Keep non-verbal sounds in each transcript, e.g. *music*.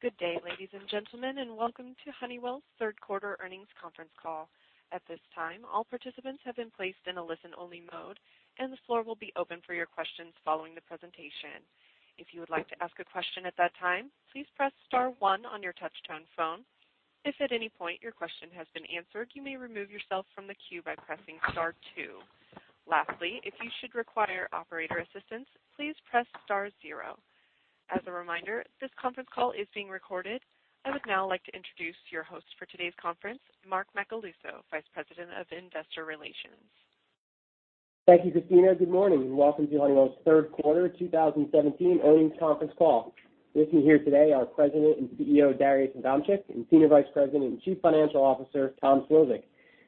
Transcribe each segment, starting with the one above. Good day, ladies and gentlemen, and welcome to Honeywell's third quarter earnings conference call. At this time, all participants have been placed in a listen-only mode, and the floor will be open for your questions following the presentation. If you would like to ask a question at that time, please press star 1 on your touch-tone phone. If at any point your question has been answered, you may remove yourself from the queue by pressing star 2. Lastly, if you should require operator assistance, please press star 0. As a reminder, this conference call is being recorded. I would now like to introduce your host for today's conference, Mark Macaluso, Vice President of Investor Relations. Thank you, Christina. Good morning, and welcome to Honeywell's third quarter 2017 earnings conference call. With me here today are President and CEO, Darius Adamczyk, and Senior Vice President and Chief Financial Officer, Tom Szlosek.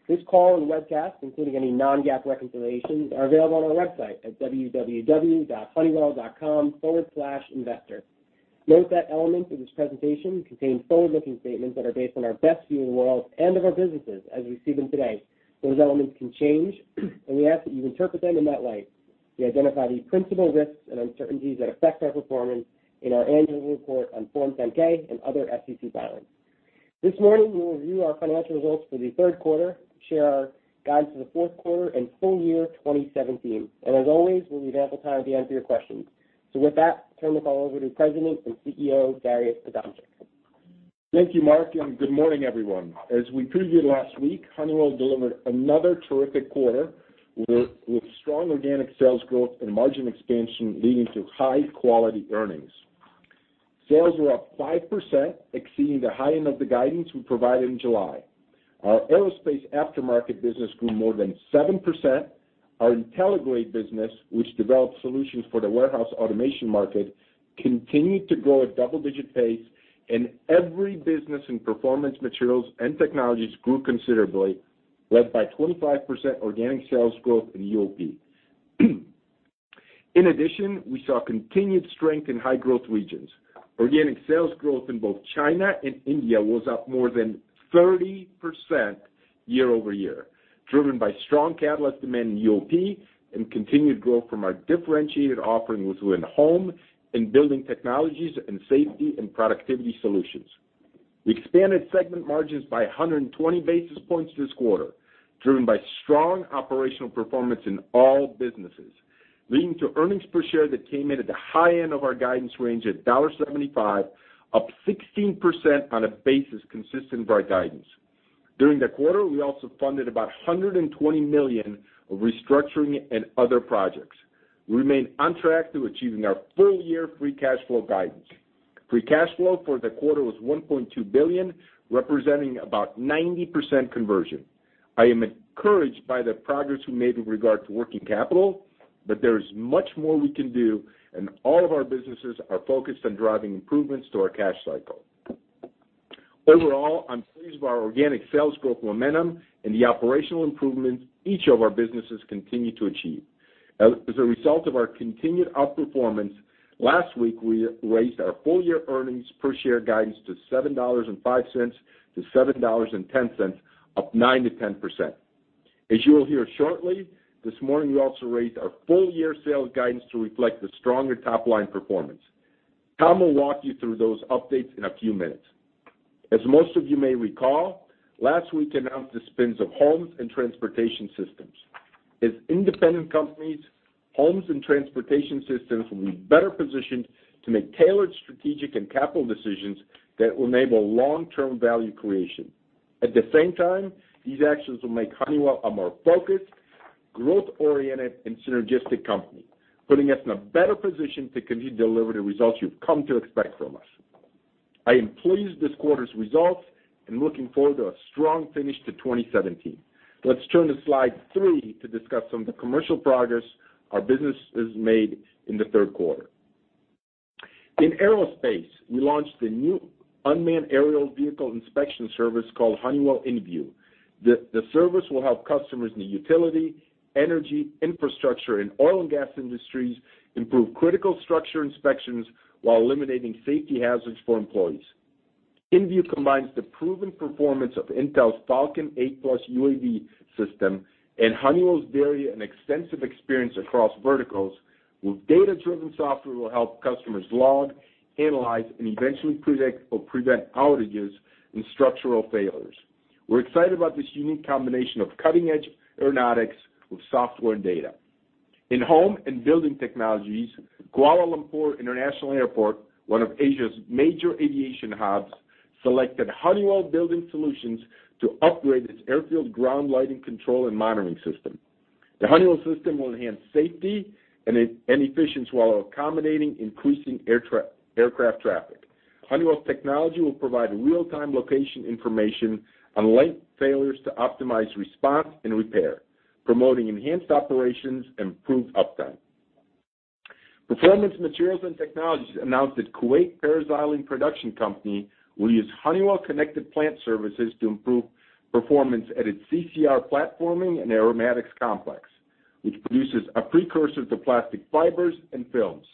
This call and webcast, including any non-GAAP reconciliations, are available on our website at www.honeywell.com/investor. Note that elements of this presentation contain forward-looking statements that are based on our best view of the world and of our businesses as we see them today. Those elements can change, and we ask that you interpret them in that light. We identify the principal risks and uncertainties that affect our performance in our annual report on Form 10-K and other SEC filings. This morning, we will review our financial results for the third quarter, share our guidance for the fourth quarter and full year 2017, and as always, we'll leave ample time at the end for your questions. With that, turn the call over to President and CEO, Darius Adamczyk. Thank you, Mark, and good morning, everyone. As we previewed last week, Honeywell delivered another terrific quarter with strong organic sales growth and margin expansion leading to high-quality earnings. Sales were up 5%, exceeding the high end of the guidance we provided in July. Our aerospace aftermarket business grew more than 7%. Our Intelligrated business, which develops solutions for the warehouse automation market, continued to grow at double-digit pace, and every business in Performance Materials and Technologies grew considerably, led by 25% organic sales growth in UOP. In addition, we saw continued strength in high-growth regions. Organic sales growth in both China and India was up more than 30% year-over-year, driven by strong catalyst demand in UOP and continued growth from our differentiated offerings within Home and Building Technologies and Safety and Productivity Solutions. We expanded segment margins by 120 basis points this quarter, driven by strong operational performance in all businesses, leading to earnings per share that came in at the high end of our guidance range at $1.75, up 16% on a basis consistent with our guidance. During the quarter, we also funded about $120 million of restructuring and other projects. We remain on track to achieving our full-year free cash flow guidance. Free cash flow for the quarter was $1.2 billion, representing about 90% conversion. I am encouraged by the progress we made with regard to working capital, but there is much more we can do, and all of our businesses are focused on driving improvements to our cash cycle. Overall, I'm pleased by our organic sales growth momentum and the operational improvements each of our businesses continue to achieve. As a result of our continued outperformance, last week, we raised our full-year earnings per share guidance to $7.05 to $7.10, up 9% to 10%. As you will hear shortly, this morning we also raised our full-year sales guidance to reflect the stronger top-line performance. Tom will walk you through those updates in a few minutes. As most of you may recall, last week, we announced the spins of Homes and Transportation Systems. As independent companies, Homes and Transportation Systems will be better positioned to make tailored strategic and capital decisions that will enable long-term value creation. At the same time, these actions will make Honeywell a more focused, growth-oriented, and synergistic company, putting us in a better position to continue to deliver the results you've come to expect from us. I am pleased with this quarter's results and looking forward to a strong finish to 2017. Let's turn to slide 3 to discuss some of the commercial progress our businesses made in the third quarter. In aerospace, we launched a new unmanned aerial vehicle inspection service called Honeywell InView. The service will help customers in the utility, energy, infrastructure, and oil and gas industries improve critical structure inspections while eliminating safety hazards for employees. InView combines the proven performance of Intel's Falcon 8+ UAV system and Honeywell's varied and extensive experience across verticals with data-driven software that will help customers log, analyze, and eventually predict or prevent outages and structural failures. We're excited about this unique combination of cutting-edge aeronautics with software and data. In Home and Building Technologies, Kuala Lumpur International Airport, one of Asia's major aviation hubs, selected Honeywell Building Solutions to upgrade its airfield ground lighting control and monitoring system. The Honeywell system will enhance safety and efficiency while accommodating increasing aircraft traffic. Honeywell's technology will provide real-time location information on light failures to optimize response and repair, promoting enhanced operations and improved uptime. Performance Materials and Technologies announced that Kuwait Paraxylene Production Company will use Honeywell Connected Plant services to improve performance at its CCR Platforming and Aromatics Complex, which produces a precursor to plastic fibers and films.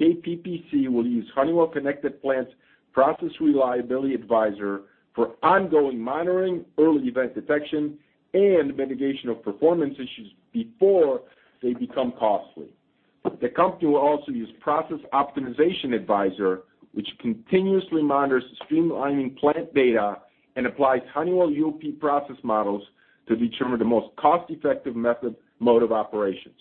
KPPC will use Honeywell Connected Plant's Process Reliability Advisor for ongoing monitoring, early event detection, and mitigation of performance issues before they become costly. The company will also use Process Optimization Advisor, which continuously monitors streamlining plant data and applies Honeywell UOP process models to determine the most cost-effective method mode of operations.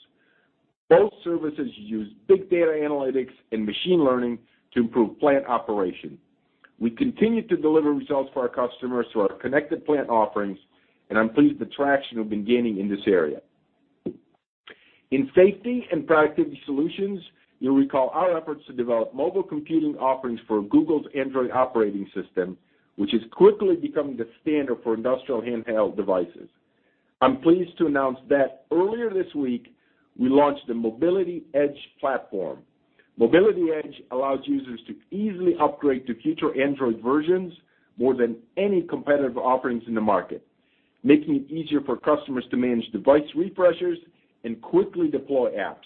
Both services use big data analytics and machine learning to improve plant operation. We continue to deliver results for our customers through our Connected Plant offerings, and I'm pleased with the traction we've been gaining in this area. In Safety and Productivity Solutions, you'll recall our efforts to develop mobile computing offerings for Google's Android operating system, which is quickly becoming the standard for industrial handheld devices. I'm pleased to announce that earlier this week, we launched the Mobility Edge platform. Mobility Edge allows users to easily upgrade to future Android versions more than any competitive offerings in the market, making it easier for customers to manage device refreshes and quickly deploy apps.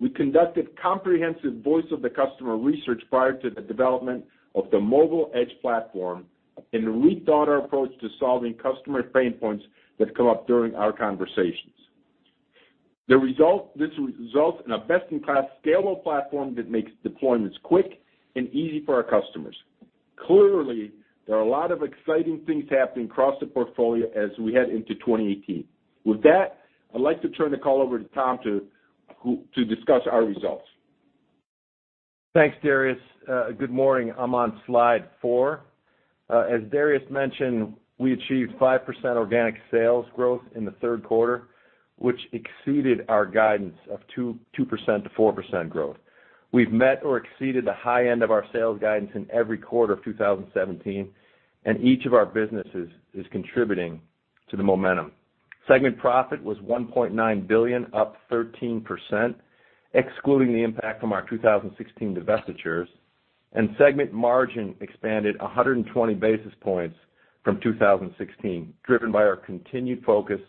We conducted comprehensive voice of the customer research prior to the development of the Mobility Edge platform and rethought our approach to solving customer pain points that come up during our conversations. This results in a best-in-class scalable platform that makes deployments quick and easy for our customers. Clearly, there are a lot of exciting things happening across the portfolio as we head into 2018. With that, I'd like to turn the call over to Tom to discuss our results. Thanks, Darius. Good morning. I'm on slide four. As Darius mentioned, we achieved 5% organic sales growth in the third quarter, which exceeded our guidance of 2%-4% growth. We've met or exceeded the high end of our sales guidance in every quarter of 2017, and each of our businesses is contributing to the momentum. Segment profit was $1.9 billion, up 13%, excluding the impact from our 2016 divestitures, and segment margin expanded 120 basis points from 2016, driven by our continued focus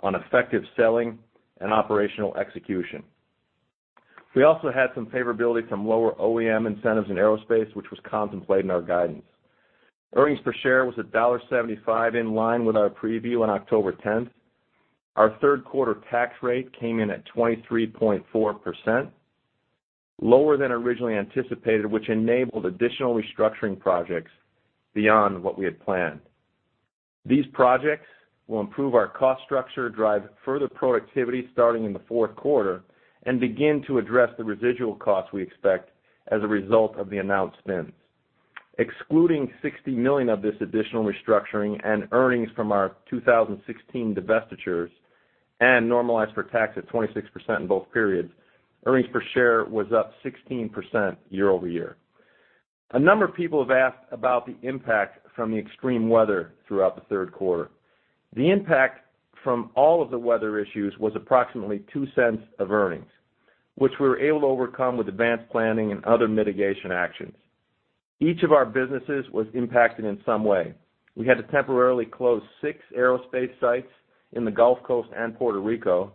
on effective selling and operational execution. We also had some favorability from lower OEM incentives in aerospace, which was contemplated in our guidance. Earnings per share was $1.75, in line with our preview on October 10th. Our third quarter tax rate came in at 23.4%, lower than originally anticipated, which enabled additional restructuring projects beyond what we had planned. These projects will improve our cost structure, drive further productivity starting in the fourth quarter, and begin to address the residual costs we expect as a result of the announced spins. Excluding $60 million of this additional restructuring and earnings from our 2016 divestitures and normalized for tax at 26% in both periods, earnings per share was up 16% year-over-year. A number of people have asked about the impact from the extreme weather throughout the third quarter. The impact from all of the weather issues was approximately $0.02 of earnings, which we were able to overcome with advanced planning and other mitigation actions. Each of our businesses was impacted in some way. We had to temporarily close six aerospace sites in the Gulf Coast and Puerto Rico.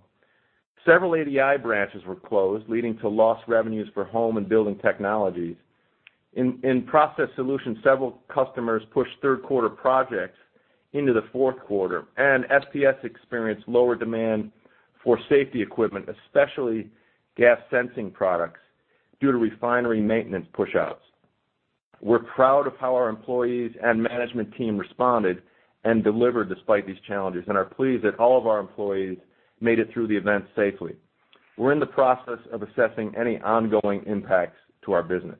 Several ADI branches were closed, leading to lost revenues for Home and Building Technologies. In Honeywell Process Solutions, several customers pushed third quarter projects into the fourth quarter, and SPS experienced lower demand for safety equipment, especially gas sensing products, due to refinery maintenance pushouts. We're proud of how our employees and management team responded and delivered despite these challenges and are pleased that all of our employees made it through the event safely. We're in the process of assessing any ongoing impacts to our business.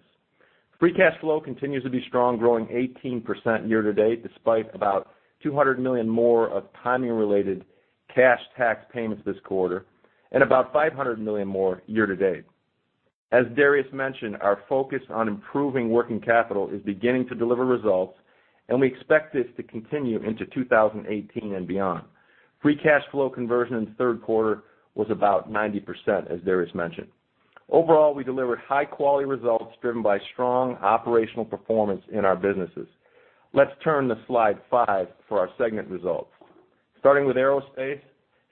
Free cash flow continues to be strong, growing 18% year-to-date, despite about $200 million more of timing-related cash tax payments this quarter and about $500 million more year-to-date. As Darius mentioned, our focus on improving working capital is beginning to deliver results, and we expect this to continue into 2018 and beyond. Free cash flow conversion in the third quarter was about 90%, as Darius mentioned. Overall, we delivered high-quality results driven by strong operational performance in our businesses. Let's turn to slide five for our segment results. Starting with aerospace,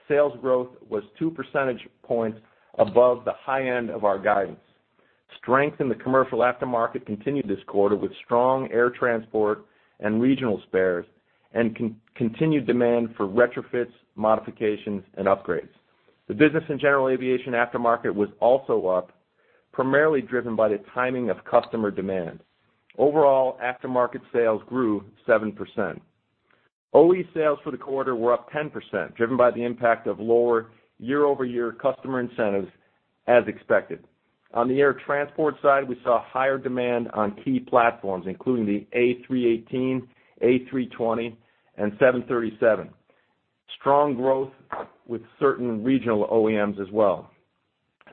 sales growth was two percentage points above the high end of our guidance. Strength in the commercial aftermarket continued this quarter with strong air transport and regional spares and continued demand for retrofits, modifications, and upgrades. The business and general aviation aftermarket was also up, primarily driven by the timing of customer demand. Overall, aftermarket sales grew 7%. OE sales for the quarter were up 10%, driven by the impact of lower year-over-year customer incentives, as expected. On the air transport side, we saw higher demand on key platforms, including the A318, A320, and 737. Strong growth with certain regional OEMs as well.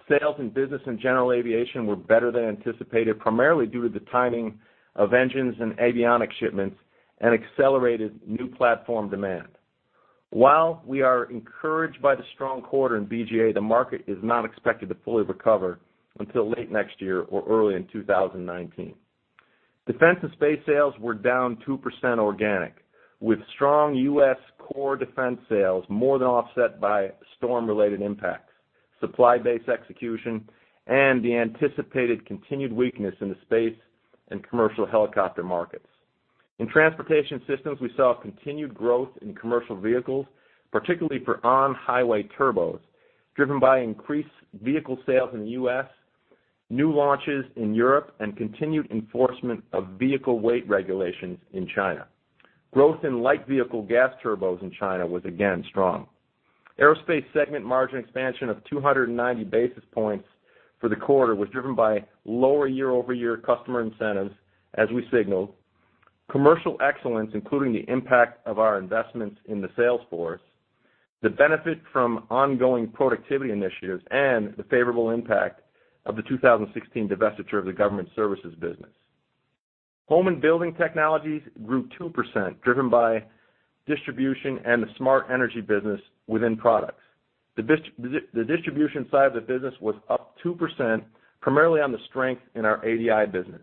Sales in business and general aviation were better than anticipated, primarily due to the timing of engines and avionics shipments and accelerated new platform demand. While we are encouraged by the strong quarter in BGA, the market is not expected to fully recover until late next year or early in 2019. Defense and space sales were down 2% organic, with strong U.S. core defense sales more than offset by storm-related impacts, supply base execution, and the anticipated continued weakness in the space and commercial helicopter markets. In Transportation Systems, we saw continued growth in commercial vehicles, particularly for on-highway turbos, driven by increased vehicle sales in the U.S., new launches in Europe, and continued enforcement of vehicle weight regulations in China. Growth in light vehicle gas turbos in China was again strong. Aerospace segment margin expansion of 290 basis points for the quarter was driven by lower year-over-year customer incentives, as we signaled, commercial excellence, including the impact of our investments in the sales force, the benefit from ongoing productivity initiatives, and the favorable impact of the 2016 divestiture of the government services business. Home and Building Technologies grew 2%, driven by distribution and the smart energy business within products. The distribution side of the business was up 2%, primarily on the strength in our ADI business.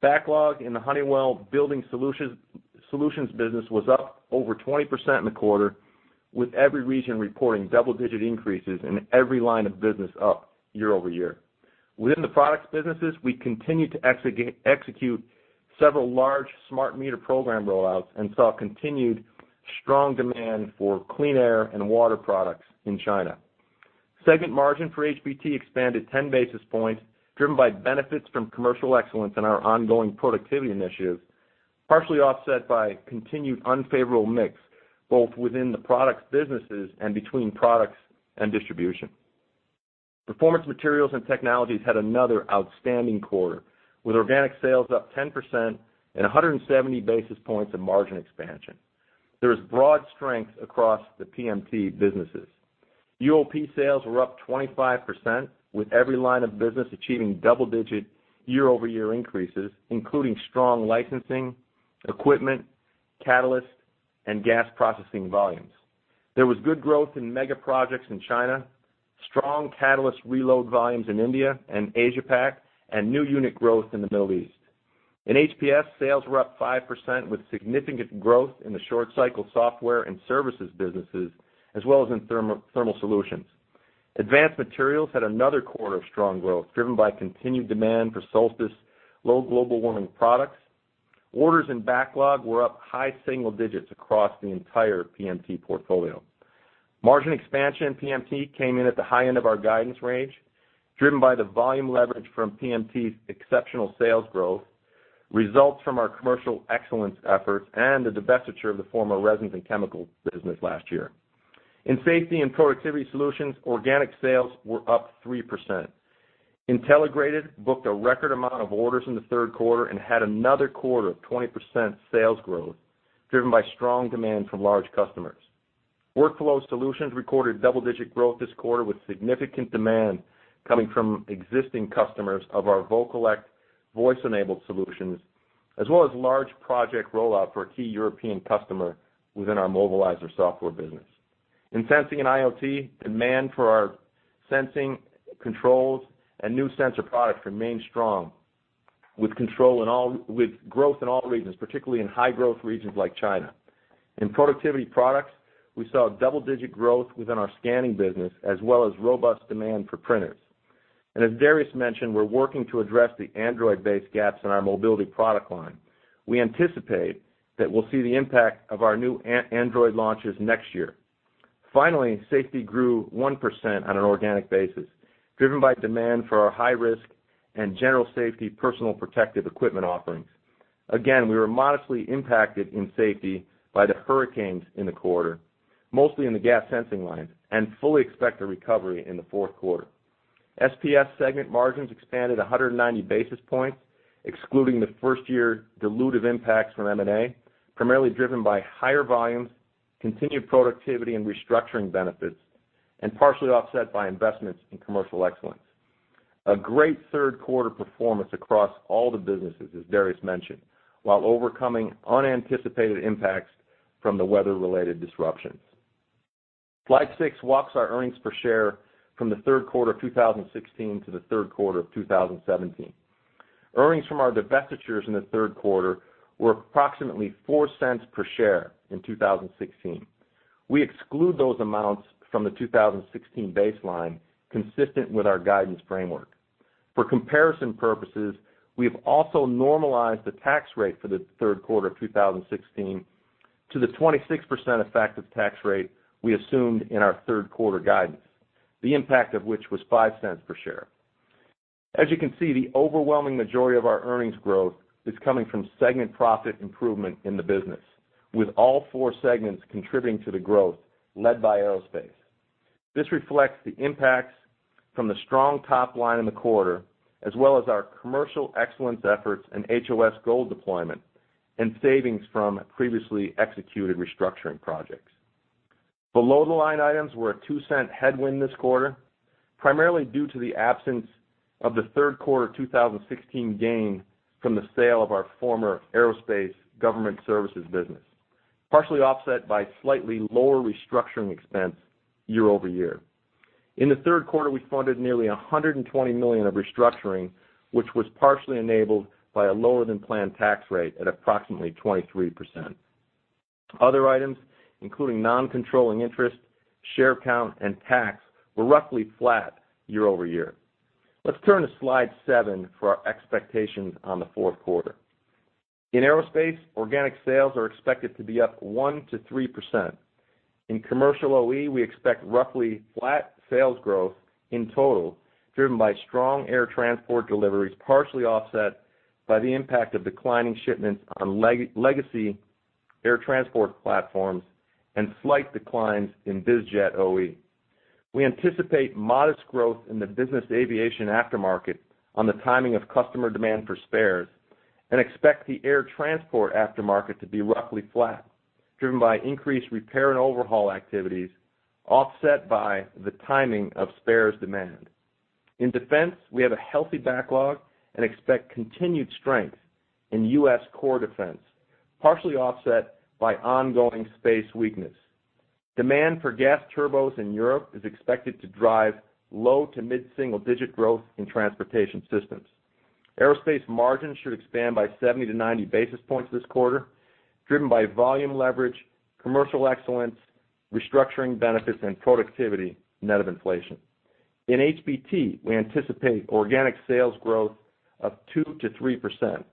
Backlog in the Honeywell Building Solutions business was up over 20% in the quarter, with every region reporting double-digit increases and every line of business up year-over-year. Within the products businesses, we continued to execute several large smart meter program rollouts and saw continued strong demand for clean air and water products in China. Segment margin for HBT expanded 10 basis points, driven by benefits from commercial excellence and our ongoing productivity initiatives, partially offset by continued unfavorable mix, both within the products businesses and between products and distribution. Performance Materials and Technologies had another outstanding quarter, with organic sales up 10% and 170 basis points of margin expansion. There was broad strength across the PMT businesses. UOP sales were up 25%, with every line of business achieving double-digit year-over-year increases, including strong licensing, equipment, catalyst, and gas processing volumes. There was good growth in mega projects in China, strong catalyst reload volumes in India and Asia-Pac, and new unit growth in the Middle East. In HPS, sales were up 5%, with significant growth in the short cycle software and services businesses, as well as in thermal solutions. Advanced Materials had another quarter of strong growth, driven by continued demand for Solstice low global warming products. Orders and backlog were up high single digits across the entire PMT portfolio. Margin expansion in PMT came in at the high end of our guidance range, driven by the volume leverage from PMT's exceptional sales growth, results from our commercial excellence efforts, and the divestiture of the former Resins and Chemicals business last year. In Safety and Productivity Solutions, organic sales were up 3%. Intelligrated booked a record amount of orders in the third quarter and had another quarter of 20% sales growth, driven by strong demand from large customers. Workflow Solutions recorded double-digit growth this quarter, with significant demand coming from existing customers of our Vocollect voice-enabled solutions, as well as large project rollout for a key European customer within our Movilizer software business. As Darius mentioned, we're working to address the Android-based gaps in our mobility product line. In Sensing and IoT, demand for our sensing controls and new sensor products remained strong, with growth in all regions, particularly in high-growth regions like China. In productivity products, we saw double-digit growth within our scanning business, as well as robust demand for printers. We anticipate that we'll see the impact of our new Android launches next year. Finally, safety grew 1% on an organic basis, driven by demand for our high-risk and general safety personal protective equipment offerings. Again, we were modestly impacted in safety by the hurricanes in the quarter, mostly in the gas sensing line, and fully expect a recovery in the fourth quarter. SPS segment margins expanded 190 basis points, excluding the first-year dilutive impacts from M&A, primarily driven by higher volumes, continued productivity and restructuring benefits, and partially offset by investments in commercial excellence. A great third quarter performance across all the businesses, as Darius mentioned, while overcoming unanticipated impacts from the weather-related disruptions. Slide six walks our earnings per share from the third quarter of 2016 to the third quarter of 2017. Earnings from our divestitures in the third quarter were approximately $0.04 per share in 2016. We exclude those amounts from the 2016 baseline, consistent with our guidance framework. For comparison purposes, we have also normalized the tax rate for the third quarter of 2016 to the 26% effective tax rate we assumed in our third quarter guidance, the impact of which was $0.05 per share. As you can see, the overwhelming majority of our earnings growth is coming from segment profit improvement in the business, with all four segments contributing to the growth, led by aerospace. This reflects the impacts from the strong top line in the quarter, as well as our commercial excellence efforts and HOS Gold deployment and savings from previously executed restructuring projects. Below-the-line items were a $0.02 headwind this quarter, primarily due to the absence of the third quarter 2016 gain from the sale of our former Honeywell Technology Solutions business, partially offset by slightly lower restructuring expense year-over-year. In the third quarter, we funded nearly $120 million of restructuring, which was partially enabled by a lower-than-planned tax rate at approximately 23%. Other items, including non-controlling interest, share count, and tax, were roughly flat year-over-year. Let's turn to slide seven for our expectations on the fourth quarter. In aerospace, organic sales are expected to be up 1%-3%. In commercial OE, we expect roughly flat sales growth in total, driven by strong air transport deliveries, partially offset by the impact of declining shipments on legacy air transport platforms and slight declines in biz jet OE. We anticipate modest growth in the business aviation aftermarket on the timing of customer demand for spares, and expect the air transport aftermarket to be roughly flat, driven by increased repair and overhaul activities, offset by the timing of spares demand. In defense, we have a healthy backlog and expect continued strength in U.S. core defense, partially offset by ongoing space weakness. Demand for gas turbos in Europe is expected to drive low to mid-single-digit growth in Transportation Systems. Aerospace margins should expand by 70-90 basis points this quarter, driven by volume leverage, commercial excellence, restructuring benefits, and productivity net of inflation. In HBT, we anticipate organic sales growth of 2%-3%.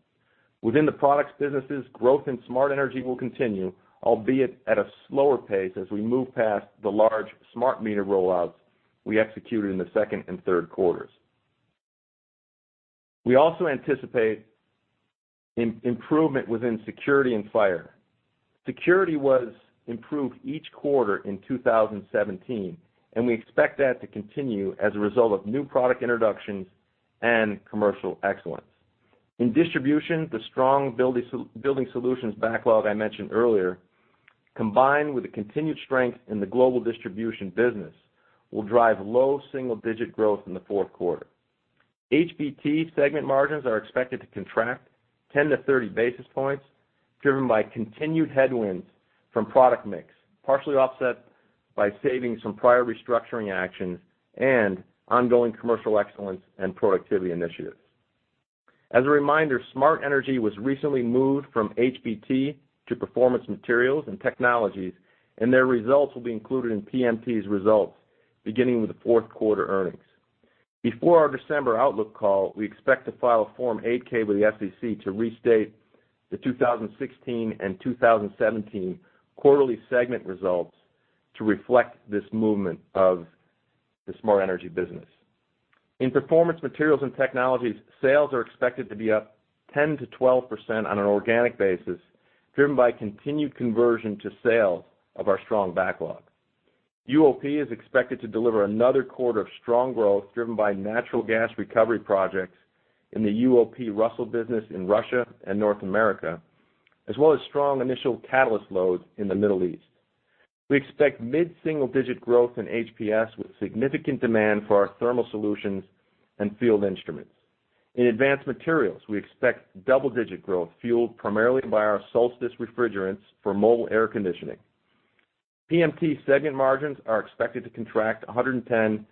Within the products businesses, growth in smart energy will continue, albeit at a slower pace as we move past the large smart meter rollouts we executed in the second and third quarters. We also anticipate improvement within security and fire. Security was improved each quarter in 2017, and we expect that to continue as a result of new product introductions and commercial excellence. In distribution, the strong Honeywell Building Solutions backlog I mentioned earlier, combined with the continued strength in the ADI Global Distribution business, will drive low single-digit growth in the fourth quarter. HBT segment margins are expected to contract 10-30 basis points, driven by continued headwinds from product mix, partially offset by savings from prior restructuring actions and ongoing commercial excellence and productivity initiatives. As a reminder, smart energy was recently moved from HBT to Performance Materials and Technologies, and their results will be included in PMT's results beginning with the fourth quarter earnings. Before our December outlook call, we expect to file a Form 8-K with the SEC to restate the 2016 and 2017 quarterly segment results to reflect this movement of the smart energy business. In Performance Materials and Technologies, sales are expected to be up 10%-12% on an organic basis, driven by continued conversion to sales of our strong backlog. UOP is expected to deliver another quarter of strong growth, driven by natural gas recovery projects in the UOP Russell business in Russia and North America, as well as strong initial catalyst loads in the Middle East. We expect mid-single-digit growth in HPS, with significant demand for our thermal solutions and field instruments. In Advanced Materials, we expect double-digit growth, fueled primarily by our Solstice refrigerants for mobile air conditioning. PMT segment margins are expected to contract 110-120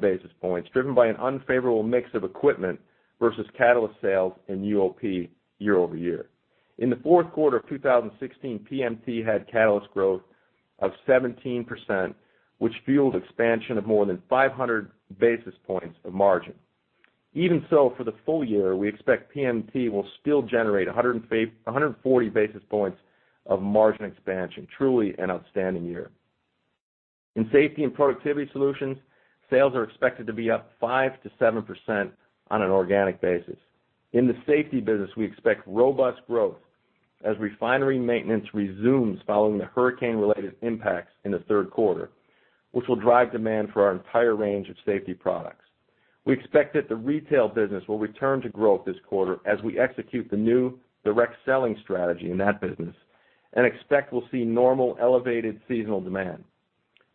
basis points, driven by an unfavorable mix of equipment versus catalyst sales in UOP year-over-year. In the fourth quarter of 2016, PMT had catalyst growth of 17%, which fueled expansion of more than 500 basis points of margin. Even so, for the full year, we expect PMT will still generate 140 basis points of margin expansion. Truly an outstanding year. In Safety and Productivity Solutions, sales are expected to be up 5%-7% on an organic basis. In the safety business, we expect robust growth as refinery maintenance resumes following the hurricane-related impacts in the third quarter, which will drive demand for our entire range of safety products. We expect that the retail business will return to growth this quarter as we execute the new direct selling strategy in that business and expect we'll see normal elevated seasonal demand.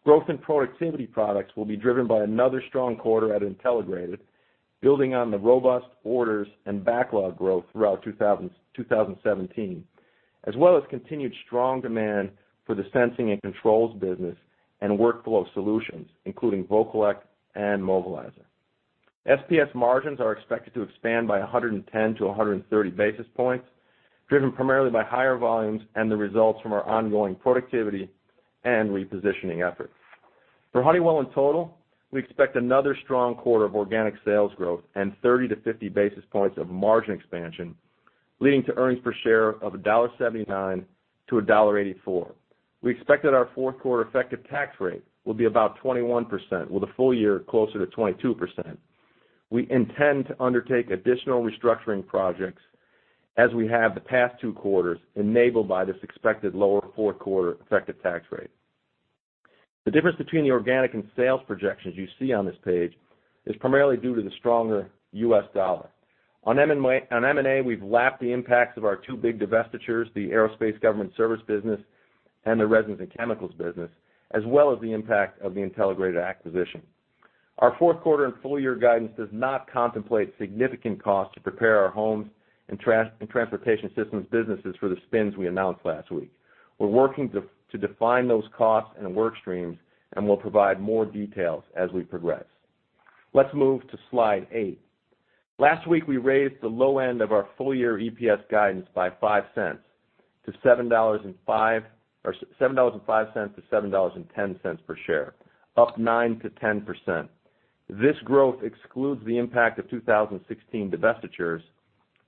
Growth in productivity products will be driven by another strong quarter at Intelligrated, building on the robust orders and backlog growth throughout 2017, as well as continued strong demand for the sensing and controls business and workflow solutions, including Vocollect and Movilizer. SPS margins are expected to expand by 110-130 basis points, driven primarily by higher volumes and the results from our ongoing productivity and repositioning efforts. For Honeywell in total, we expect another strong quarter of organic sales growth and 30-50 basis points of margin expansion, leading to earnings per share of $1.79-$1.84. We expect that our fourth-quarter effective tax rate will be about 21%, with the full year closer to 22%. We intend to undertake additional restructuring projects as we have the past two quarters, enabled by this expected lower fourth quarter effective tax rate. The difference between the organic and sales projections you see on this page is primarily due to the stronger U.S. dollar. On M&A, we've lapped the impacts of our two big divestitures, the Aerospace Government Service business and the Resins and Chemicals business, as well as the impact of the Intelligrated acquisition. Our fourth quarter and full year guidance does not contemplate significant costs to prepare our Homes and Transportation Systems businesses for the spins we announced last week. We're working to define those costs and work streams, and we'll provide more details as we progress. Let's move to slide eight. Last week, we raised the low end of our full-year EPS guidance by $0.05 to $7.05-$7.10 per share, up 9%-10%. This growth excludes the impact of 2016 divestitures,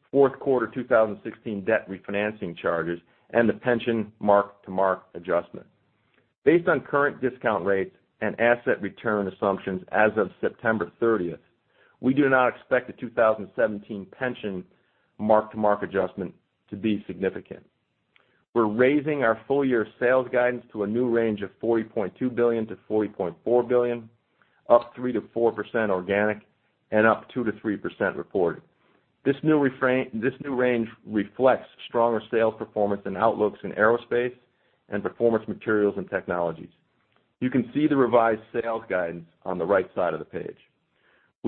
fourth quarter 2016 debt refinancing charges, and the pension mark-to-market adjustment. Based on current discount rates and asset return assumptions as of September 30th, we do not expect the 2017 pension mark-to-market adjustment to be significant. We're raising our full-year sales guidance to a new range of $40.2 billion-$40.4 billion, up 3%-4% organic and up 2%-3% reported. This new range reflects stronger sales performance and outlooks in aerospace and Performance Materials and Technologies. You can see the revised sales guidance on the right side of page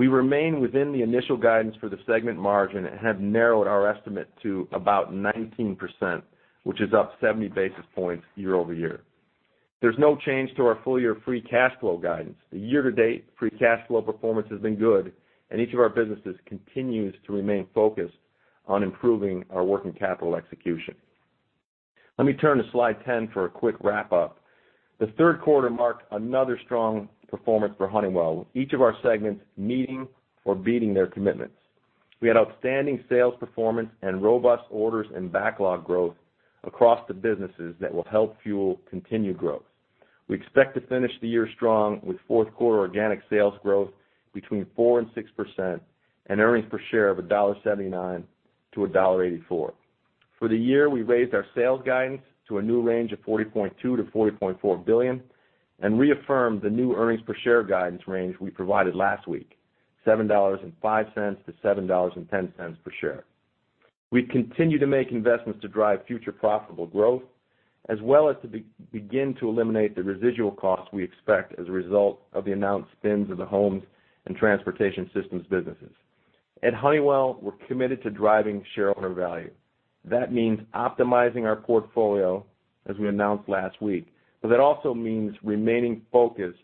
10. We remain within the initial guidance for the segment margin and have narrowed our estimate to about 19%, which is up 70 basis points year-over-year. There's no change to our full-year free cash flow guidance. The year-to-date free cash flow performance has been good, and each of our businesses continues to remain focused on improving our working capital execution. Let me turn to slide 10 for a quick wrap up. The third quarter marked another strong performance for Honeywell. Each of our segments meeting or beating their commitments. We had outstanding sales performance and robust orders and backlog growth across the businesses that will help fuel continued growth. We expect to finish the year strong with fourth quarter organic sales growth between 4%-6% and earnings per share of $1.79-$1.84. For the year, we raised our sales guidance to a new range of $40.2 billion-$40.4 billion and reaffirmed the new earnings per share guidance range we provided last week, $7.05-$7.10 per share. We continue to make investments to drive future profitable growth as well as to begin to eliminate the residual costs we expect as a result of the announced spins of the Homes and Transportation Systems businesses. At Honeywell, we're committed to driving shareholder value. That means optimizing our portfolio as we announced last week. That also means remaining focused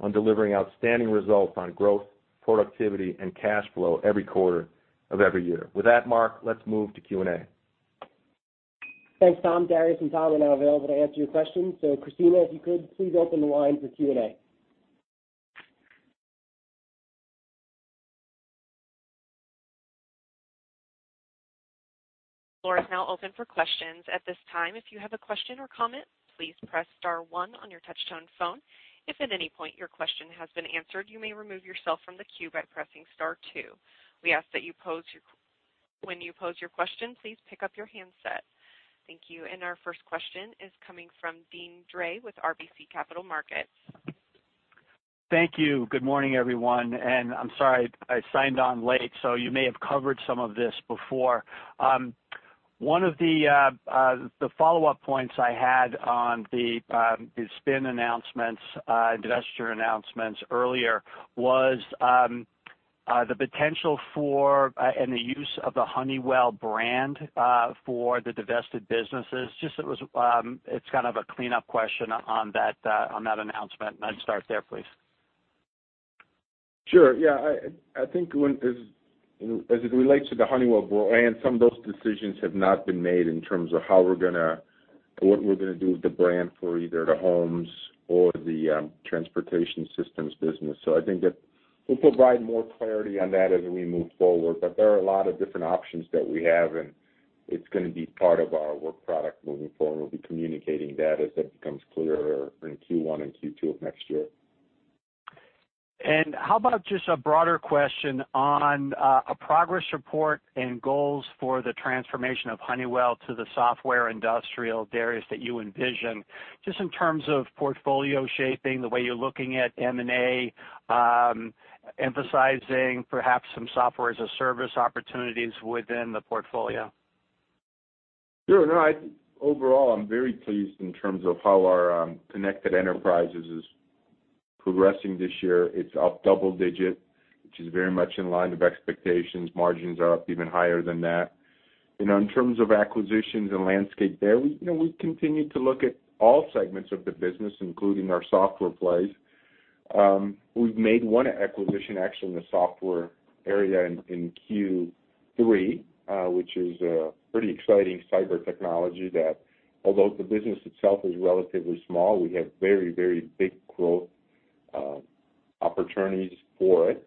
on delivering outstanding results on growth, productivity, and cash flow every quarter of every year. With that, Mark, let's move to Q&A. Thanks, Tom. Darius and Tom are now available to answer your questions. Christina, if you could please open the line for Q&A. Floor is now open for questions. At this time, if you have a question or comment, please press star one on your touchtone phone. If at any point your question has been answered, you may remove yourself from the queue by pressing star two. We ask that when you pose your question, please pick up your handset. Thank you. Our first question is coming from Deane Dray with RBC Capital Markets. Thank you. Good morning, everyone. I'm sorry, I signed on late, so you may have covered some of this before. One of the follow-up points I had on the spin announcements, divestiture announcements earlier was the potential for and the use of the Honeywell brand for the divested businesses. It's kind of a cleanup question on that announcement. I'd start there, please. Sure. Yeah. I think as it relates to the Honeywell brand, some of those decisions have not been made in terms of what we're going to do with the brand for either the Homes or the Transportation Systems business. I think that we'll provide more clarity on that as we move forward. There are a lot of different options that we have. It's going to be part of our work product moving forward. We'll be communicating that as that becomes clearer in Q1 and Q2 of next year. How about just a broader question on a progress report and goals for the transformation of Honeywell to the software industrial Darius that you envision, just in terms of portfolio shaping, the way you're looking at M&A, emphasizing perhaps some software as a service opportunities within the portfolio. Sure. Overall, I'm very pleased in terms of how our Connected Enterprise is progressing this year. It's up double-digit, which is very much in line of expectations. Margins are up even higher than that. In terms of acquisitions and landscape there, we continue to look at all segments of the business, including our software plays. We've made one acquisition actually in the software area in Q3, which is a pretty exciting cyber technology that although the business itself is relatively small, we have very big growth opportunities for it.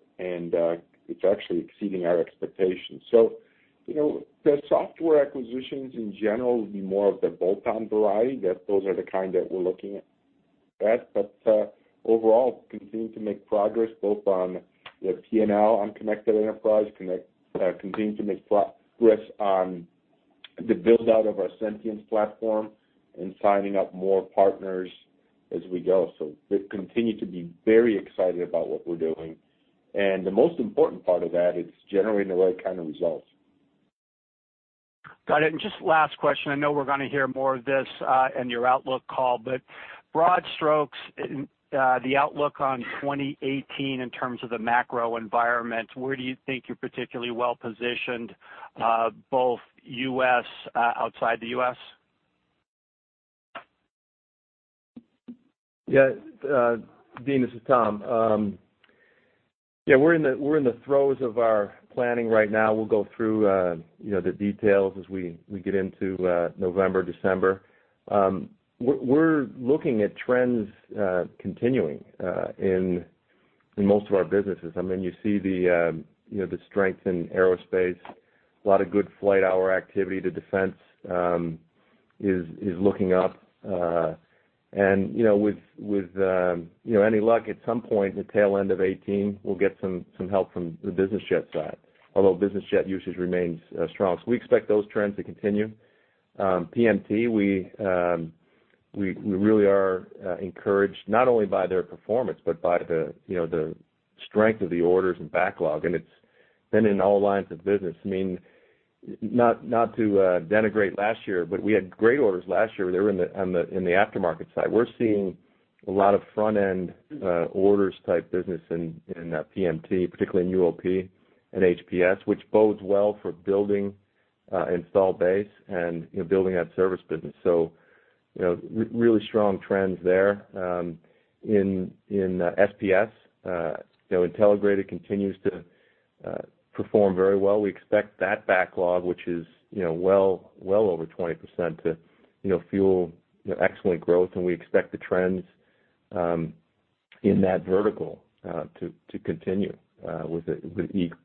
It's actually exceeding our expectations. The software acquisitions in general would be more of the bolt-on variety. Those are the kind that we're looking at. Overall, continuing to make progress both on the P&L on Connected Enterprise, continuing to make progress on the build-out of our Sentience platform signing up more partners as we go. We continue to be very excited about what we're doing. The most important part of that, it's generating the right kind of results. Got it. Just last question. I know we're going to hear more of this in your outlook call, broad strokes, the outlook on 2018 in terms of the macro environment, where do you think you're particularly well-positioned both U.S., outside the U.S.? Deane, this is Tom. We're in the throes of our planning right now. We'll go through the details as we get into November, December. We're looking at trends continuing in most of our businesses. You see the strength in aerospace, a lot of good flight hour activity to defense is looking up. With any luck, at some point in the tail end of 2018, we'll get some help from the business jet side, although business jet usage remains strong. We expect those trends to continue. PMT, we really are encouraged, not only by their performance, by the strength of the orders and backlog, and it's been in all lines of business. Not to denigrate last year, we had great orders last year. They were in the aftermarket side. We're seeing a lot of front-end orders type business in PMT, particularly in UOP and HPS, which bodes well for building install base and building that service business. Really strong trends there. In SPS, Intelligrated continues to perform very well. We expect that backlog, which is well over 20%, to fuel excellent growth, and we expect the trends in that vertical to continue with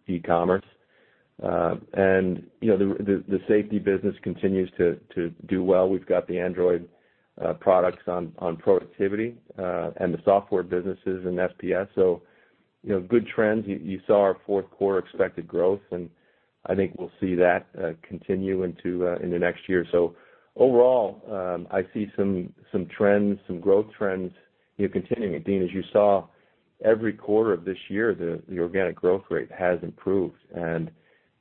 e-commerce. The safety business continues to do well. We've got the Android products on productivity, and the software businesses in SPS. Good trends. You saw our fourth quarter expected growth, I think we'll see that continue in the next year. Overall, I see some growth trends continuing. Deane, as you saw, every quarter of this year, the organic growth rate has improved.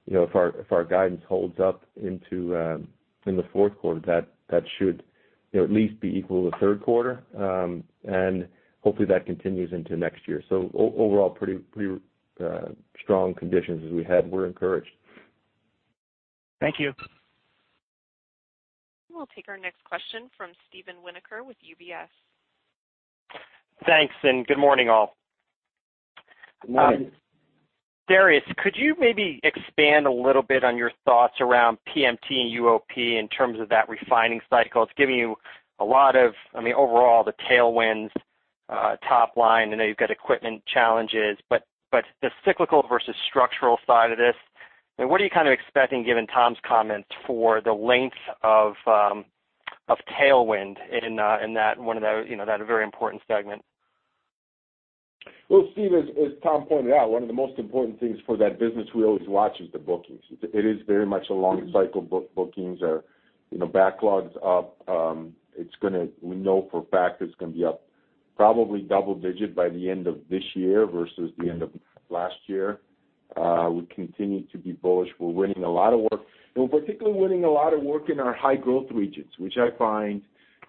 If our guidance holds up in the fourth quarter, that should at least be equal to the third quarter. Hopefully, that continues into next year. Overall, pretty strong conditions as we head. We're encouraged. Thank you. We'll take our next question from Steven Winoker with UBS. Thanks, and good morning, all. Good morning. Darius, could you maybe expand a little bit on your thoughts around PMT and UOP in terms of that refining cycle? It's giving you a lot of the tailwinds top line. I know you've got equipment challenges. The cyclical versus structural side of this, what are you kind of expecting, given Tom's comments, for the length of tailwind in that very important segment? Well, Steve, as Tom pointed out, one of the most important things for that business we always watch is the bookings. It is very much a long cycle. Bookings are backlogs up. We know for a fact it's going to be up probably double-digit by the end of this year versus the end of last year. We continue to be bullish. We're winning a lot of work, and we're particularly winning a lot of work in our high-growth regions, which I find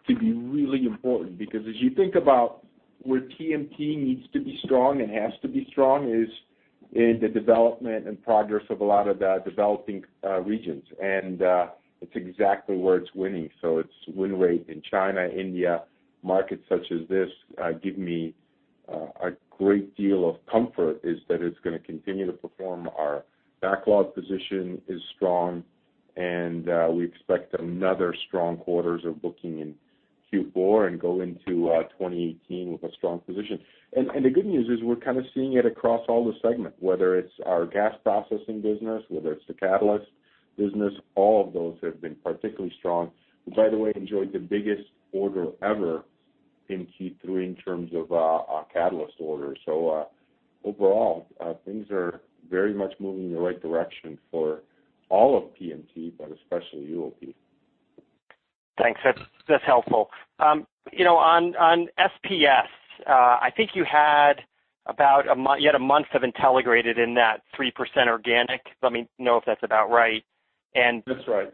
to be really important. Because as you think about where PMT needs to be strong and has to be strong is in the development and progress of a lot of the developing regions. It's exactly where it's winning. Its win rate in China, India, markets such as this give me a great deal of comfort that it's going to continue to perform. Our backlog position is strong. We expect another strong quarter of booking in Q4 and go into 2018 with a strong position. The good news is we're kind of seeing it across all the segments, whether it's our gas processing business, whether it's the catalyst business, all of those have been particularly strong. Which, by the way, enjoyed the biggest order ever in Q3 in terms of catalyst orders. Overall, things are very much moving in the right direction for all of PMT, but especially UOP. Thanks. That's helpful. On SPS, I think you had a month of Intelligrated in that 3% organic. Let me know if that's about right. That's right.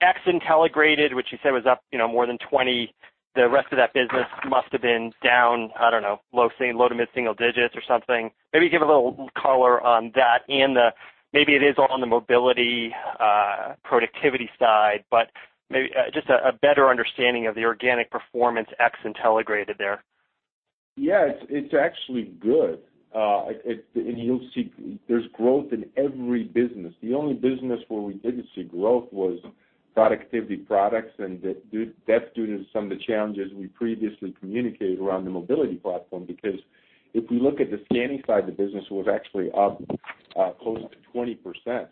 Ex Intelligrated, which you said was up more than 20, the rest of that business must've been down, I don't know, low to mid single digits or something. Maybe give a little color on that and maybe it is all on the mobility productivity side, but just a better understanding of the organic performance ex Intelligrated there. Yeah. It's actually good. You'll see there's growth in every business. The only business where we didn't see growth was productivity products, and that's due to some of the challenges we previously communicated around the mobility platform, because if we look at the scanning side of the business, it was actually up close to 20%.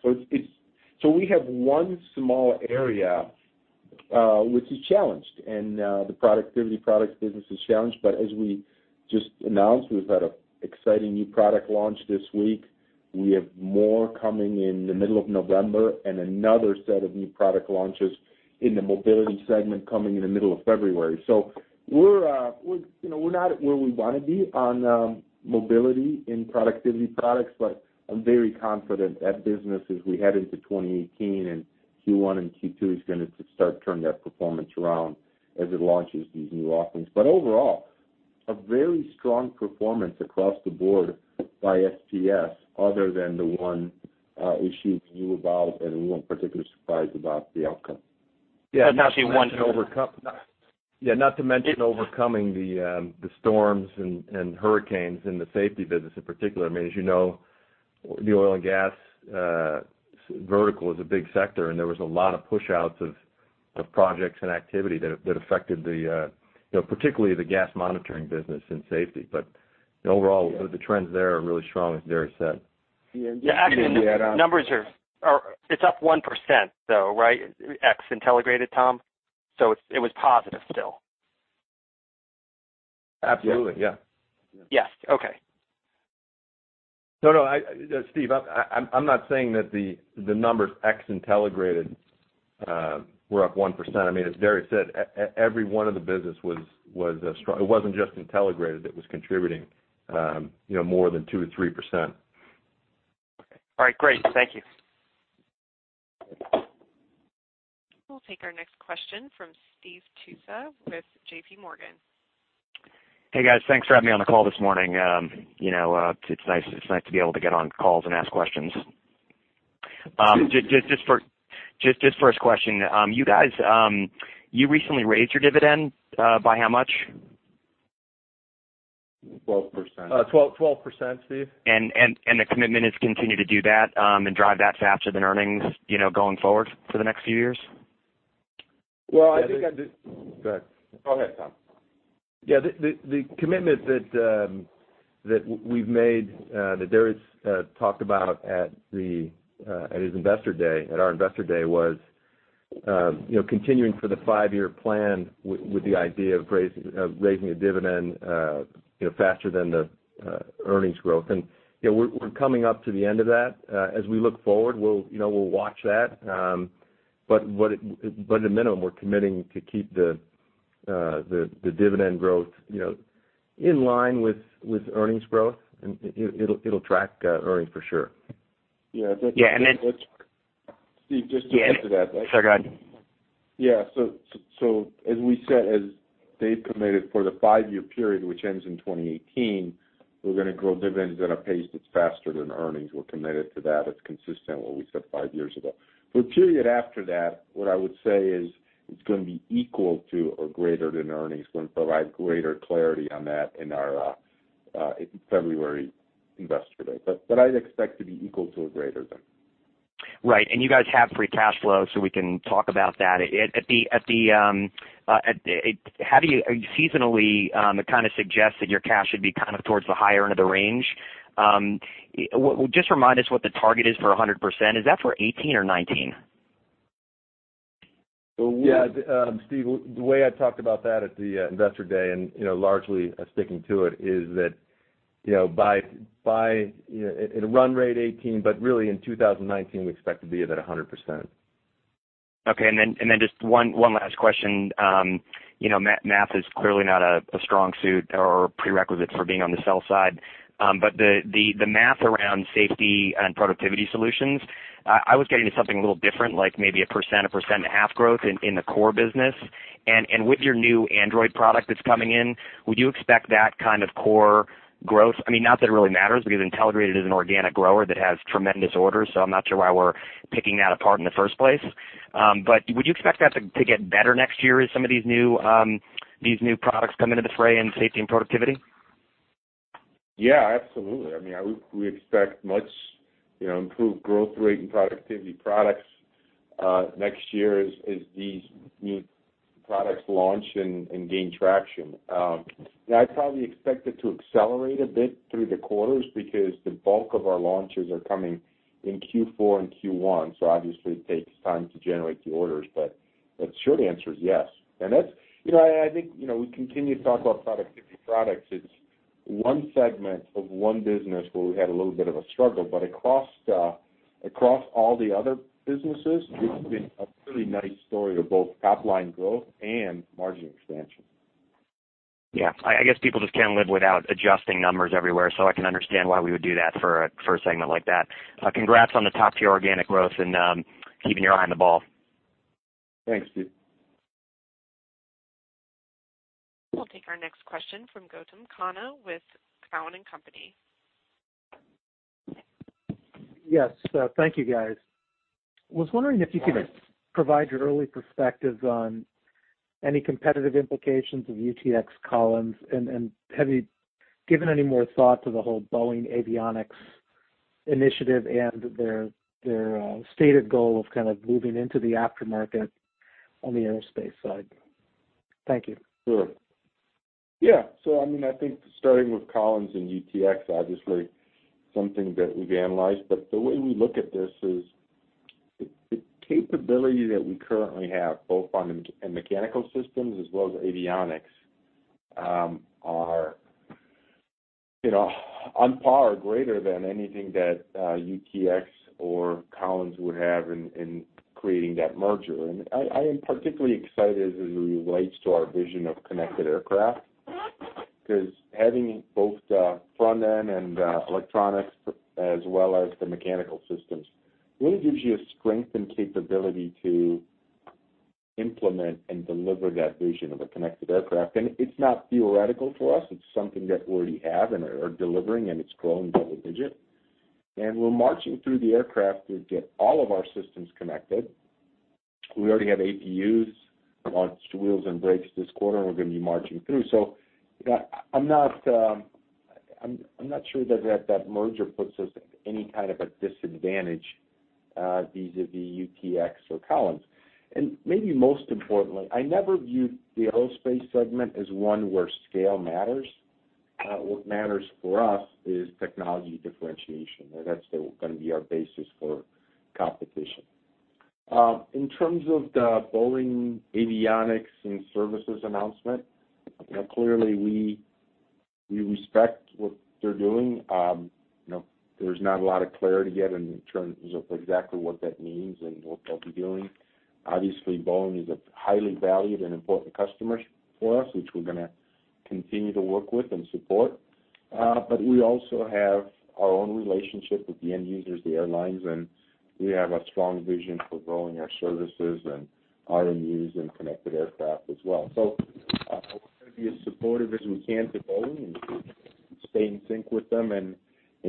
We have one small area which is challenged, and the productivity products business is challenged. As we just announced, we've had an exciting new product launch this week. We have more coming in the middle of November and another set of new product launches in the mobility segment coming in the middle of February. We're not at where we want to be on mobility in productivity products, I'm very confident that business, as we head into 2018 and Q1 and Q2, is going to start turning that performance around as it launches these new offerings. Overall. A very strong performance across the board by SPS, other than the one issue we knew about, and we weren't particularly surprised about the outcome. Yeah. *inaudible* Not to mention overcoming the storms and hurricanes in the safety business in particular. As you know, the oil and gas vertical is a big sector, and there was a lot of push outs of projects and activity that affected particularly the gas monitoring business and safety. Overall, the trends there are really strong, as Darius said. Yeah. Actually, the numbers are. It's up 1%, though, right? Ex-Intelligrated, Tom. It was positive still. Absolutely. Yeah. Yes. Okay. No, Steve, I'm not saying that the numbers ex-Intelligrated were up 1%. As Darius said, every one of the business was strong. It wasn't just Intelligrated that was contributing more than 2% or 3%. Okay. All right, great. Thank you. We'll take our next question from Steve Tusa with JPMorgan. Hey, guys. Thanks for having me on the call this morning. It's nice to be able to get on calls and ask questions. Just first question, you guys, you recently raised your dividend, by how much? 12%. 12%, Steve. The commitment is continue to do that, and drive that faster than earnings, going forward for the next few years? Well, I think Go ahead, Tom. Yeah. The commitment that we've made, that Darius talked about at our investor day was continuing for the five-year plan with the idea of raising a dividend faster than the earnings growth. We're coming up to the end of that. As we look forward, we'll watch that. At a minimum, we're committing to keep the dividend growth in line with earnings growth, and it'll track earnings, for sure. Yeah. Yeah. Steve, just to add to that. Sorry, go ahead. Yeah. As we said, as Dave committed for the 5-year period, which ends in 2018, we're going to grow dividends at a pace that's faster than earnings. We're committed to that. It's consistent with what we said 5 years ago. For a period after that, what I would say is it's going to be equal to or greater than earnings. We'll provide greater clarity on that in our February investor day. I'd expect to be equal to or greater than. Right. You guys have free cash flow, so we can talk about that. Seasonally, it kind of suggests that your cash should be kind of towards the higher end of the range. Just remind us what the target is for 100%. Is that for 2018 or 2019? Yeah. Steve, the way I talked about that at the investor day and largely sticking to it is that at a run rate 2018, but really in 2019, we expect to be at 100%. Okay. Just one last question. Math is clearly not a strong suit or prerequisite for being on the sell side. The math around Safety and Productivity Solutions, I was getting to something a little different, like maybe 1%, 1.5% growth in the core business. With your new Android product that's coming in, would you expect that kind of core growth? Not that it really matters, because Intelligrated is an organic grower that has tremendous orders, so I'm not sure why we're picking that apart in the first place. Would you expect that to get better next year as some of these new products come into the fray in safety and productivity? Absolutely. We expect much improved growth rate in productivity products next year as these new products launch and gain traction. I would probably expect it to accelerate a bit through the quarters because the bulk of our launches are coming in Q4 and Q1. Obviously, it takes time to generate the orders. The short answer is yes. I think, we continue to talk about productivity products. It's one segment of one business where we had a little bit of a struggle, but across all the other businesses, it's been a really nice story of both top-line growth and margin expansion. I guess people just can't live without adjusting numbers everywhere. I can understand why we would do that for a segment like that. Congrats on the top-tier organic growth and keeping your eye on the ball. Thanks, Steve. We'll take our next question from Gautam Khanna with Cowen and Company. Yes. Thank you, guys. Was wondering if you could provide your early perspectives on any competitive implications of UTX-Collins, and have you given any more thought to the whole Boeing Avionics initiative and their stated goal of kind of moving into the aftermarket on the aerospace side? Thank you. Sure. Yeah. I think starting with Collins and UTX, obviously something that we've analyzed, but the way we look at this is the capability that we currently have, both on the mechanical systems as well as avionics, are on par or greater than anything that UTX or Collins would have in creating that merger. I am particularly excited as it relates to our vision of connected aircraft, because having both the front end and electronics as well as the mechanical systems really gives you a strength and capability to Implement and deliver that vision of a connected aircraft. It's not theoretical to us. It's something that we already have and are delivering, and it's growing double digit. We're marching through the aircraft to get all of our systems connected. We already have APUs, launched wheels, and brakes this quarter, and we're going to be marching through. I'm not sure that merger puts us at any kind of a disadvantage, vis-a-vis UTX or Collins. Maybe most importantly, I never viewed the aerospace segment as one where scale matters. What matters for us is technology differentiation. That's going to be our basis for competition. In terms of the Boeing Avionics and Services announcement, clearly, we respect what they're doing. There's not a lot of clarity yet in terms of exactly what that means and what they'll be doing. Obviously, Boeing is a highly valued and important customer for us, which we're going to continue to work with and support. We also have our own relationship with the end users, the airlines, and we have a strong vision for growing our services and RMUs and connected aircraft as well. We're going to be as supportive as we can to Boeing and stay in sync with them and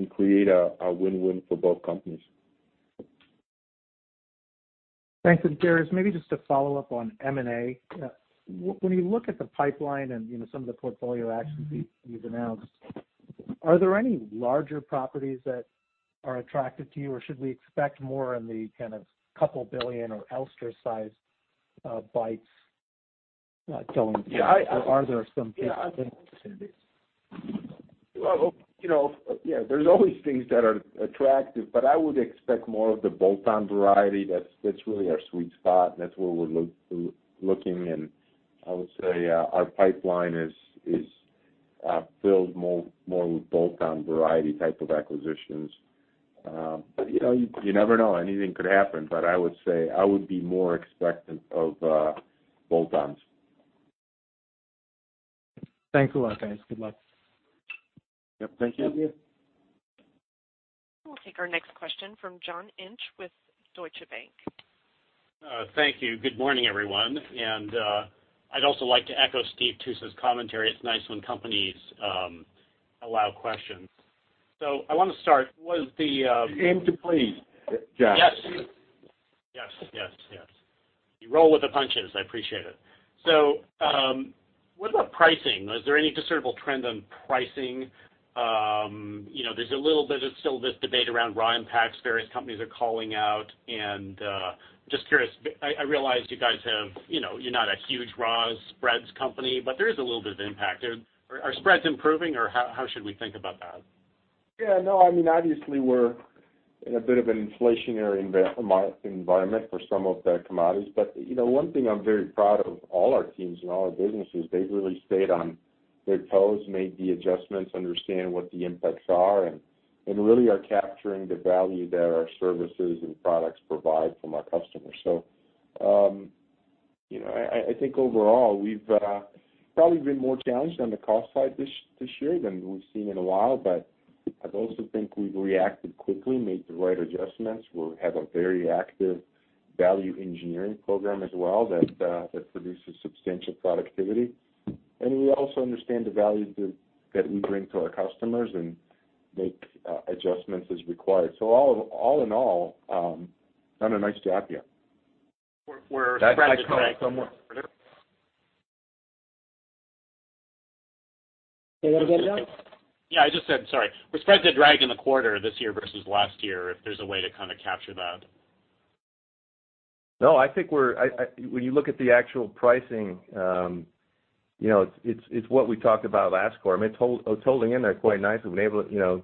create a win-win for both companies. Thanks. Darius, maybe just to follow up on M&A. When you look at the pipeline and some of the portfolio actions you've announced, are there any larger properties that are attractive to you, or should we expect more in the kind of $couple billion or Elster size bites going forward? Are there some pieces in opportunities? Yeah. There's always things that are attractive, I would expect more of the bolt-on variety. That's really our sweet spot, and that's where we're looking. I would say our pipeline is filled more with bolt-on variety type of acquisitions. You never know. Anything could happen. I would say, I would be more expectant of bolt-ons. Thanks a lot, guys. Good luck. Yep, thank you. Thank you. We'll take our next question from John Inch with Deutsche Bank. Thank you. Good morning, everyone. I'd also like to echo Stephen Tusa's commentary. It's nice when companies allow questions. I want to start. What is the Aim to please, John. Yes. You roll with the punches. I appreciate it. What about pricing? Is there any discernible trend on pricing? There's a little bit of still this debate around raw impacts various companies are calling out, just curious, I realize you're not a huge raw spreads company, there is a little bit of impact. Are spreads improving or how should we think about that? Yeah, no. Obviously, we're in a bit of an inflationary environment for some of the commodities. One thing I'm very proud of all our teams and all our businesses, they've really stayed on their toes, made the adjustments, understand what the impacts are, and really are capturing the value that our services and products provide from our customers. I think overall, we've probably been more challenged on the cost side this year than we've seen in a while. I also think we've reacted quickly, made the right adjustments. We have a very active value engineering program as well that produces substantial productivity. We also understand the value that we bring to our customers and make adjustments as required. All in all, done a nice job here. Where spreads have dragged. That's how I somewhat. Say that again, John? Yeah, I just said, sorry. Where spreads have dragged in the quarter this year versus last year, if there's a way to kind of capture that. I think when you look at the actual pricing, it's what we talked about last quarter. It's holding in there quite nicely. We've enabled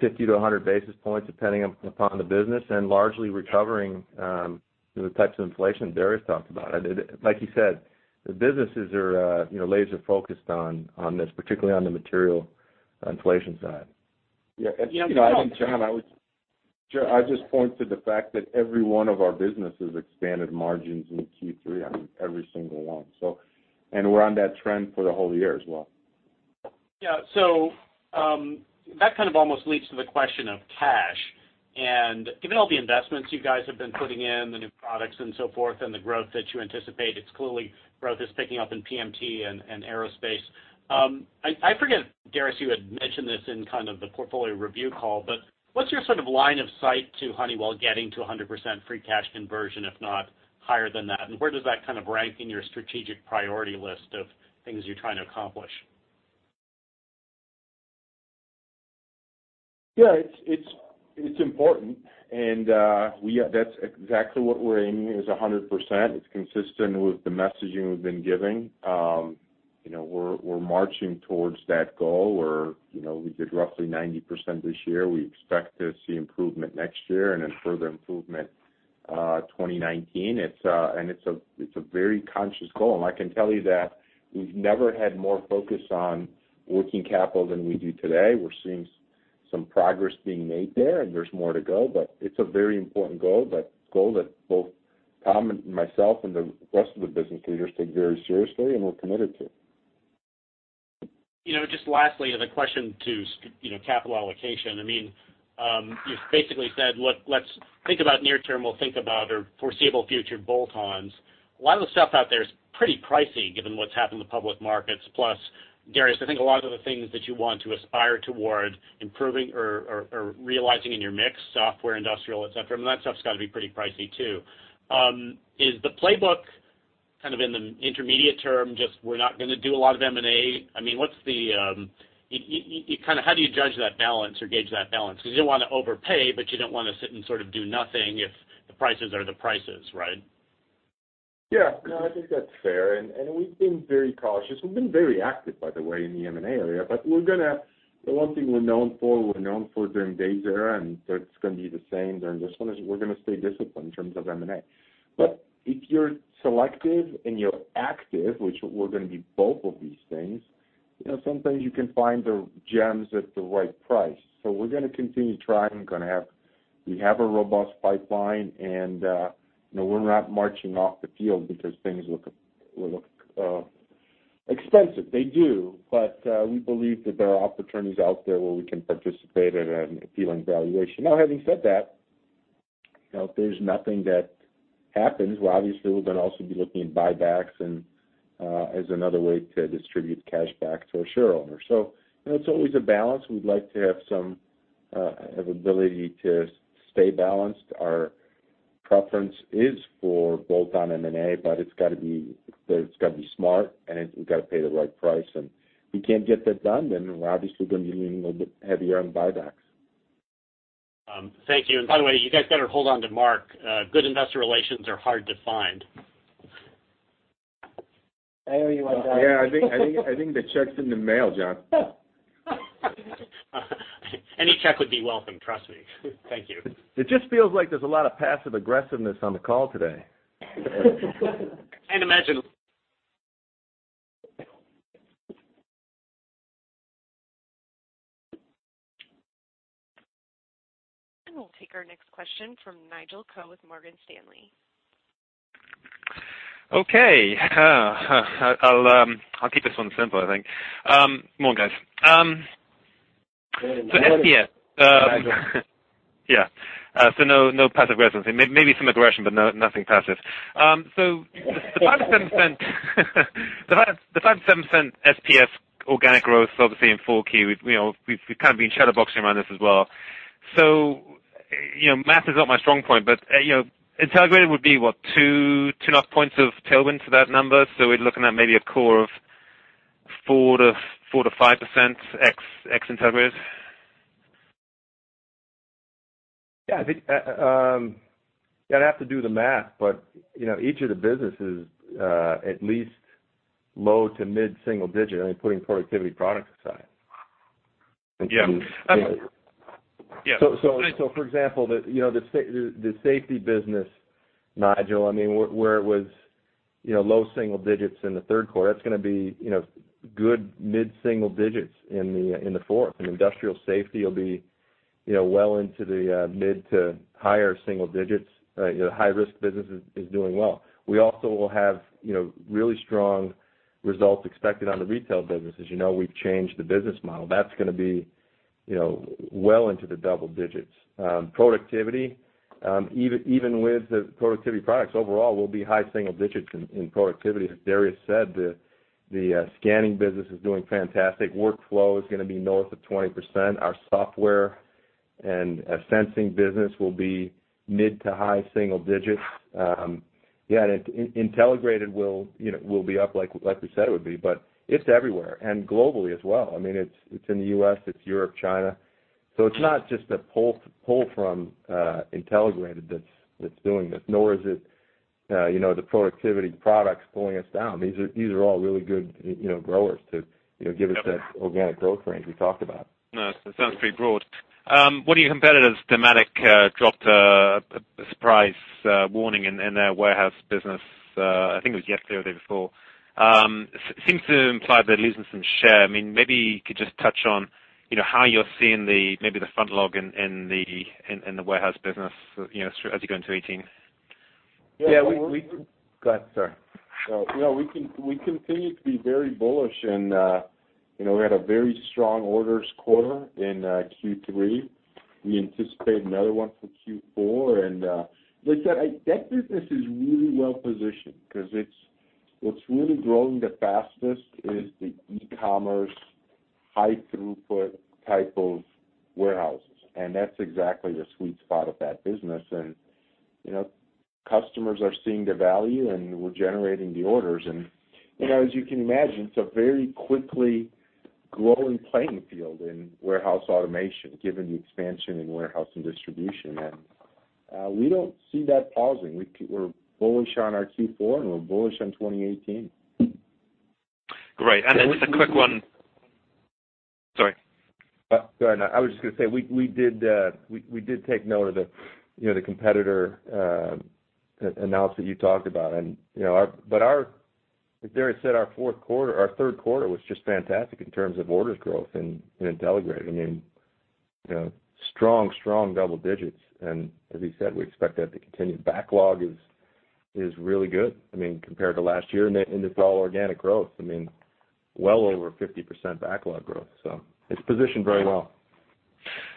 50 to 100 basis points, depending upon the business, and largely recovering the types of inflation Darius talked about. Like you said, the businesses are laser-focused on this, particularly on the material inflation side. Yeah. John, I would just point to the fact that every one of our businesses expanded margins in Q3 on every single one. We're on that trend for the whole year as well. Yeah. That kind of almost leads to the question of cash. Given all the investments you guys have been putting in, the new products and so forth, and the growth that you anticipate, it's clearly growth is picking up in PMT and aerospace. I forget, Darius, you had mentioned this in kind of the portfolio review call, but what's your sort of line of sight to Honeywell getting to 100% free cash conversion, if not higher than that? Where does that kind of rank in your strategic priority list of things you're trying to accomplish? Yeah, it's important. That's exactly what we're aiming is 100%. It's consistent with the messaging we've been giving. We're marching towards that goal. We did roughly 90% this year. We expect to see improvement next year and then further improvement 2019. It's a very conscious goal, and I can tell you that we've never had more focus on working capital than we do today. We're seeing some progress being made there, and there's more to go, it's a very important goal, but goal that both Tom and myself and the rest of the business leaders take very seriously and we're committed to. Just lastly, the question to capital allocation. You've basically said, "Look, let's think about near term. We'll think about our foreseeable future bolt-ons." A lot of the stuff out there is pretty pricey given what's happened in the public markets. Darius, I think a lot of the things that you want to aspire toward improving or realizing in your mix, software, industrial, et cetera, and that stuff's got to be pretty pricey, too. Is the playbook in the intermediate term just we're not going to do a lot of M&A? How do you judge that balance or gauge that balance? You don't want to overpay, but you don't want to sit and sort of do nothing if the prices are the prices, right? I think that's fair, and we've been very cautious. We've been very active, by the way, in the M&A area. The one thing we're known for, we're known for during Dave's era, and that's going to be the same during this one, is we're going to stay disciplined in terms of M&A. If you're selective and you're active, which we're going to be both of these things, sometimes you can find the gems at the right price. We're going to continue trying. We have a robust pipeline, and we're not marching off the field because things look expensive. They do, but we believe that there are opportunities out there where we can participate at an appealing valuation. Now, having said that, if there's nothing that happens, obviously we're going to also be looking at buybacks as another way to distribute cash back to our shareowners. It's always a balance. We'd like to have some ability to stay balanced. Our preference is for bolt-on M&A, but it's got to be smart, and we've got to pay the right price. If we can't get that done, we're obviously going to be leaning a little bit heavier on buybacks. Thank you. By the way, you guys better hold on to Mark. Good investor relations are hard to find. I owe you one, Mark. Yeah, I think the check's in the mail, John. Any check would be welcome, trust me. Thank you. It just feels like there's a lot of passive aggressiveness on the call today. Can't imagine. We'll take our next question from Nigel Coe with Morgan Stanley. Okay. I'll keep this one simple, I think. Morning, guys. Good. SPS. Nigel. Yeah. No passive aggressiveness. Maybe some aggression, but nothing passive. The 5% TO 7% SPS organic growth is obviously in 4Q. We've kind of been shadowboxing around this as well. Math is not my strong point, but Intelligrated would be what? 2.5 points of tailwind to that number. We're looking at maybe a core of 4%-5% ex Intelligrated? Yeah, I'd have to do the math, but each of the businesses, at least low to mid-single-digit, putting Productivity Products aside. Yeah. For example, the Safety Business, Nigel, where it was low single-digits in the third quarter, that's going to be good mid single-digits in the fourth. Industrial Safety will be well into the mid to higher single-digits. The High Risk business is doing well. We also will have really strong results expected on the Retail business. As you know, we've changed the business model. That's going to be well into the double-digits. Even with the Productivity Products overall, we'll be high single-digits in Productivity. As Darius said, the Scanning business is doing fantastic. Workflow is going to be north of 20%. Our Software and Sensing business will be mid to high single-digits. Yeah, Intelligrated will be up like we said it would be, but it's everywhere, and globally as well. It's in the U.S., it's Europe, China. It's not just a pull from Intelligrated that's doing this, nor is it the Productivity products pulling us down. These are all really good growers to give us that organic growth range we talked about. No, it sounds pretty broad. One of your competitors, Dematic, dropped a surprise warning in their warehouse business, I think it was yesterday or the day before. Seems to imply they're losing some share. Maybe you could just touch on how you're seeing maybe the front log in the warehouse business as you go into 2018. Yeah. Go ahead, sir. We continue to be very bullish. We had a very strong orders quarter in Q3. We anticipate another one for Q4. Like I said, that business is really well positioned because what's really growing the fastest is the e-commerce high throughput type of warehouses, and that's exactly the sweet spot of that business. Customers are seeing the value, and we're generating the orders. As you can imagine, it's a very quickly growing playing field in warehouse automation, given the expansion in warehouse and distribution. We don't see that pausing. We're bullish on our Q4, and we're bullish on 2018. Great. Just a quick one. Sorry. Go ahead. I was just going to say, we did take note of the competitor announcement you talked about. As Darius said, our third quarter was just fantastic in terms of orders growth in Intelligrated. Strong double digits, and as he said, we expect that to continue. Backlog is really good compared to last year, and it's all organic growth. Well over 50% backlog growth. It's positioned very well.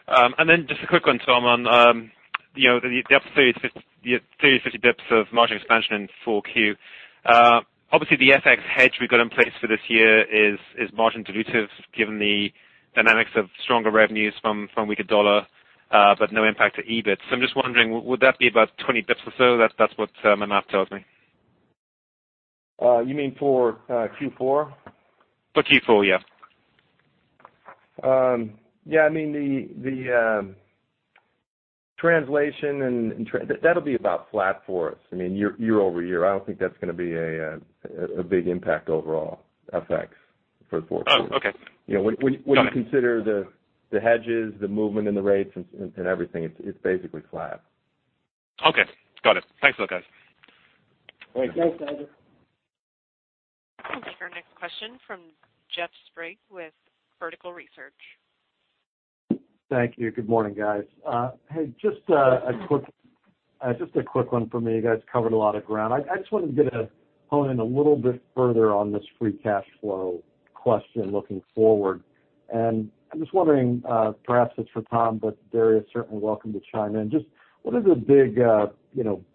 Just a quick one, Tom, on the 30-50 bps of margin expansion in 4Q. Obviously, the FX hedge we got in place for this year is margin dilutive given the dynamics of stronger revenues from weaker dollar, but no impact to EBIT. I'm just wondering, would that be about 20 bps or so? That's what Manav told me. You mean for Q4? For Q4, yeah. Yeah. The translation, that'll be about flat for us year-over-year. I don't think that's going to be a big impact overall FX for 4Q. Oh, okay. Got it. When you consider the hedges, the movement in the rates and everything, it's basically flat. Okay. Got it. Thanks a lot, guys. Thanks. Thanks, Andrew. We'll take our next question from Jeff Sprague with Vertical Research. Thank you. Good morning, guys. Hey, just a quick one from me. You guys covered a lot of ground. I just wanted to get a hone in a little bit further on this free cash flow question looking forward, and I'm just wondering, perhaps it's for Tom, but Darius is certainly welcome to chime in. Just what are the big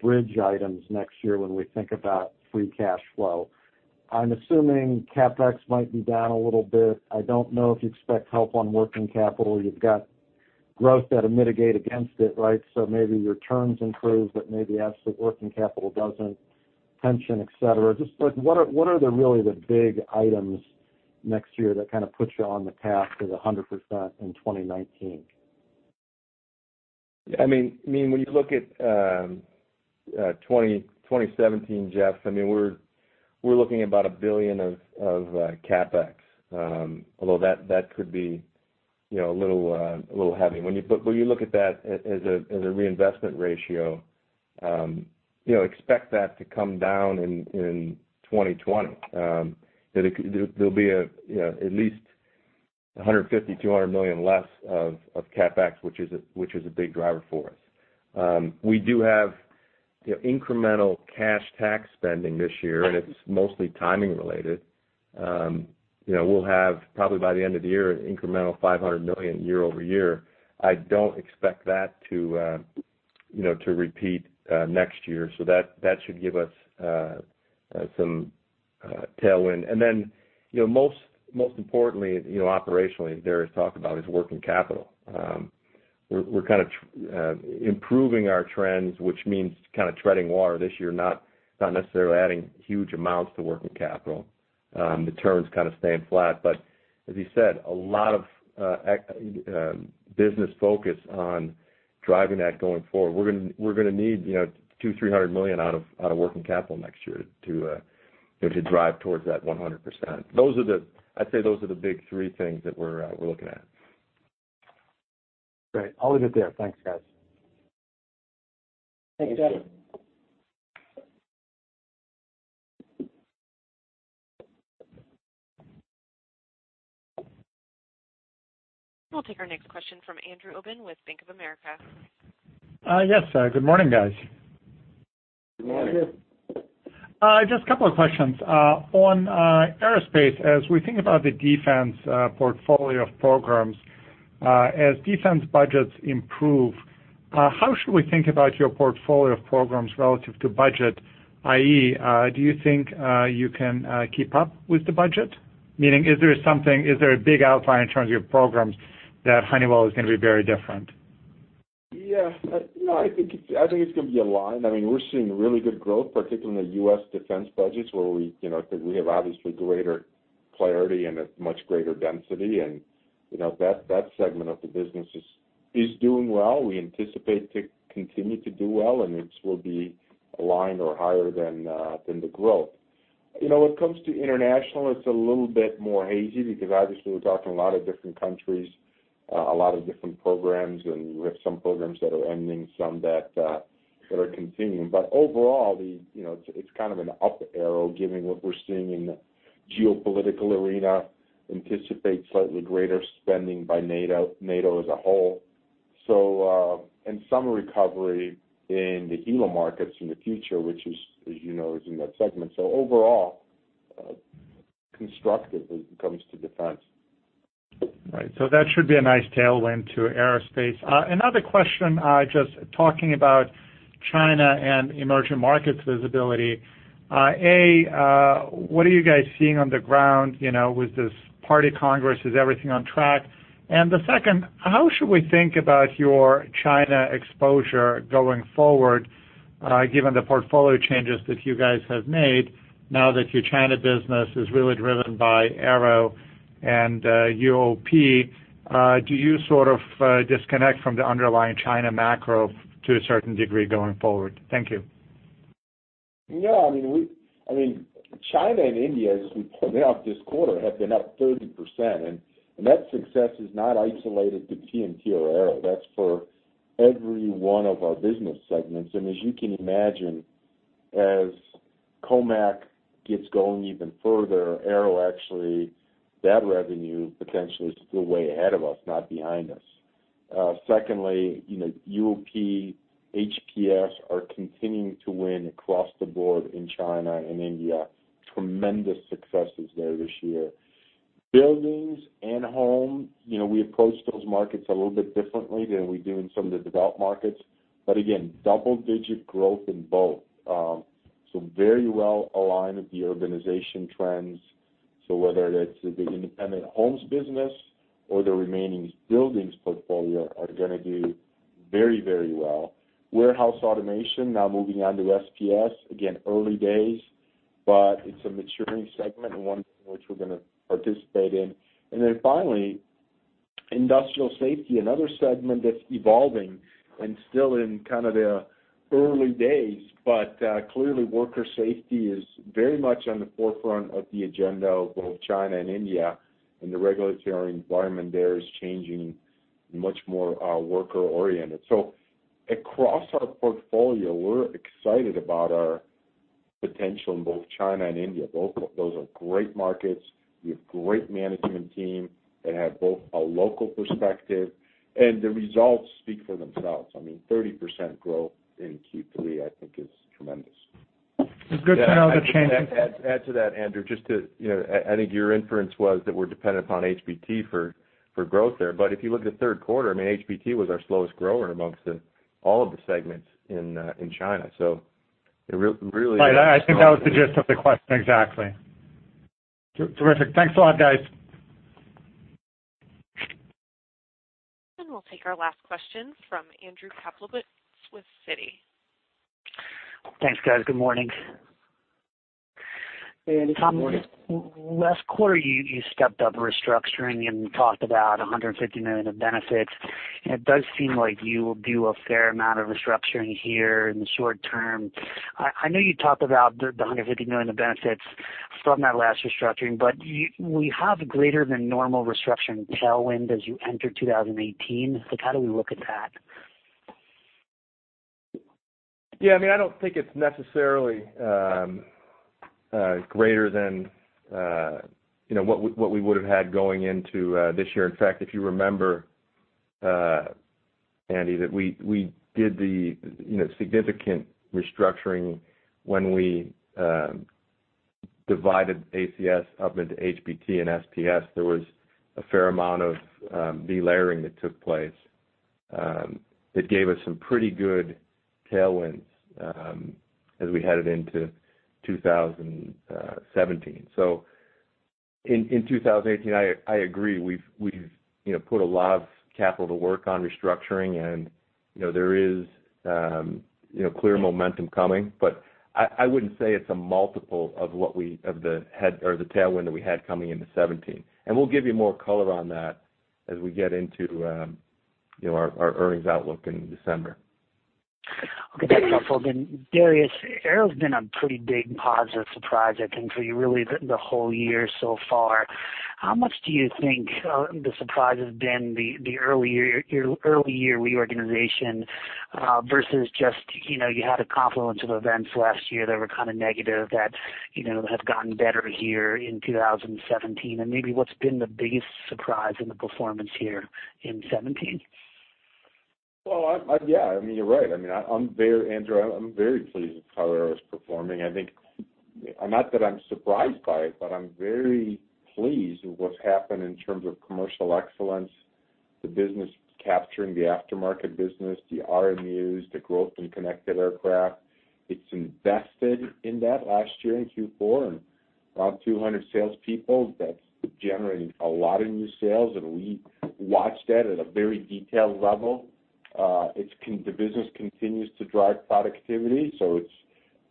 bridge items next year when we think about free cash flow? I'm assuming CapEx might be down a little bit. I don't know if you expect help on working capital. You've got growth that'll mitigate against it, right? Maybe your turns improve, but maybe absolute working capital doesn't, pension, et cetera. Just what are the really the big items next year that kind of put you on the path to the 100% in 2019? When you look at 2017, Jeff, we're looking at about $1 billion of CapEx. Although that could be a little heavy. When you look at that as a reinvestment ratio, expect that to come down in 2019. There'll be at least $150 million-$200 million less of CapEx, which is a big driver for us. We do have incremental cash tax spending this year. It's mostly timing related. We'll have probably by the end of the year, an incremental $500 million year-over-year. I don't expect that to repeat next year. That should give us some tailwind. Most importantly, operationally, Darius talked about is working capital. We're kind of improving our trends, which means kind of treading water this year, not necessarily adding huge amounts to working capital. The turn's kind of staying flat. As he said, a lot of business focus on driving that going forward. We're going to need $200 million-$300 million out of working capital next year to drive towards that 100%. I'd say those are the big three things that we're looking at. Great. I'll leave it there. Thanks, guys. Thanks, Jeff. We'll take our next question from Andrew Obin with Bank of America. Yes. Good morning, guys. Good morning. Good morning. Just a couple of questions. On aerospace, as we think about the defense portfolio of programs, as defense budgets improve, how should we think about your portfolio of programs relative to budget, i.e., do you think you can keep up with the budget? Meaning, is there a big outlier in terms of your programs that Honeywell is going to be very different? Yeah. No, I think it's going to be aligned. We're seeing really good growth, particularly in the U.S. defense budgets where we have obviously greater clarity and a much greater density, that segment of the business is doing well. We anticipate to continue to do well, it will be aligned or higher than the growth. When it comes to international, it's a little bit more hazy because obviously we're talking a lot of different countries, a lot of different programs, and we have some programs that are ending, some that are continuing. Overall, it's kind of an up arrow given what we're seeing in the geopolitical arena, anticipate slightly greater spending by NATO as a whole. Some recovery in the helo markets in the future, which as you know, is in that segment. Overall, constructive as it comes to defense. Right. That should be a nice tailwind to aerospace. Another question, just talking about China and emerging markets visibility. A, what are you guys seeing on the ground, with this party Congress, is everything on track? The second, how should we think about your China exposure going forward, given the portfolio changes that you guys have made now that your China business is really driven by Aero and UOP? Do you sort of disconnect from the underlying China macro to a certain degree going forward? Thank you. Yeah. China and India, as we pointed out this quarter, have been up 30%, that success is not isolated to PMT or Aero. That's for every one of our business segments. As you can imagine As COMAC gets going even further, Aero actually, that revenue potentially is still way ahead of us, not behind us. Secondly, UOP, HPS are continuing to win across the board in China and India. Tremendous successes there this year. Buildings and home, we approach those markets a little bit differently than we do in some of the developed markets. Again, double-digit growth in both. Very well aligned with the urbanization trends. Whether it's the independent Homes business or the remaining buildings portfolio are going to do very well. Warehouse automation now moving onto SPS, again, early days, but it's a maturing segment and one which we're going to participate in. Finally, industrial safety, another segment that's evolving and still in kind of the early days, but clearly worker safety is very much on the forefront of the agenda of both China and India, and the regulatory environment there is changing and much more worker-oriented. Across our portfolio, we're excited about our potential in both China and India. Those are great markets. We have great management team that have both a local perspective, and the results speak for themselves. I mean, 30% growth in Q3, I think is tremendous. It's good to know the changes. Add to that, Andrew, I think your inference was that we're dependent upon HBT for growth there. If you look at the third quarter, I mean, HBT was our slowest grower amongst all of the segments in China. It really- Right. I think that was the gist of the question exactly. Terrific. Thanks a lot, guys. We'll take our last question from Andrew Kaplowitz with Citi. Thanks, guys. Good morning. Good morning. Tom, last quarter you stepped up restructuring and talked about $150 million of benefits. It does seem like you will do a fair amount of restructuring here in the short term. I know you talked about the $150 million of benefits from that last restructuring, but will you have a greater than normal restructuring tailwind as you enter 2018? How do we look at that? I don't think it's necessarily greater than what we would've had going into this year. In fact, if you remember, Andy, that we did the significant restructuring when we divided ACS up into HBT and SPS. There was a fair amount of delayering that took place that gave us some pretty good tailwinds as we headed into 2017. In 2018, I agree, we've put a lot of capital to work on restructuring, and there is clear momentum coming, but I wouldn't say it's a multiple of the tailwind that we had coming into 2017. We'll give you more color on that as we get into our earnings outlook in December. Okay. Thanks, Tom. Darius, Aero's been a pretty big positive surprise, I think, for you really the whole year so far. How much do you think the surprise has been the early year reorganization, versus just, you had a confluence of events last year that were kind of negative that have gotten better here in 2017, maybe what's been the biggest surprise in the performance here in 2017? You're right. Andrew, I'm very pleased with how Aero is performing. Not that I'm surprised by it, but I'm very pleased with what's happened in terms of commercial excellence, the business capturing the aftermarket business, the RMUs, the growth in connected aircraft. It's invested in that last year in Q4, about 200 salespeople, that's generating a lot of new sales. We watch that at a very detailed level. The business continues to drive productivity.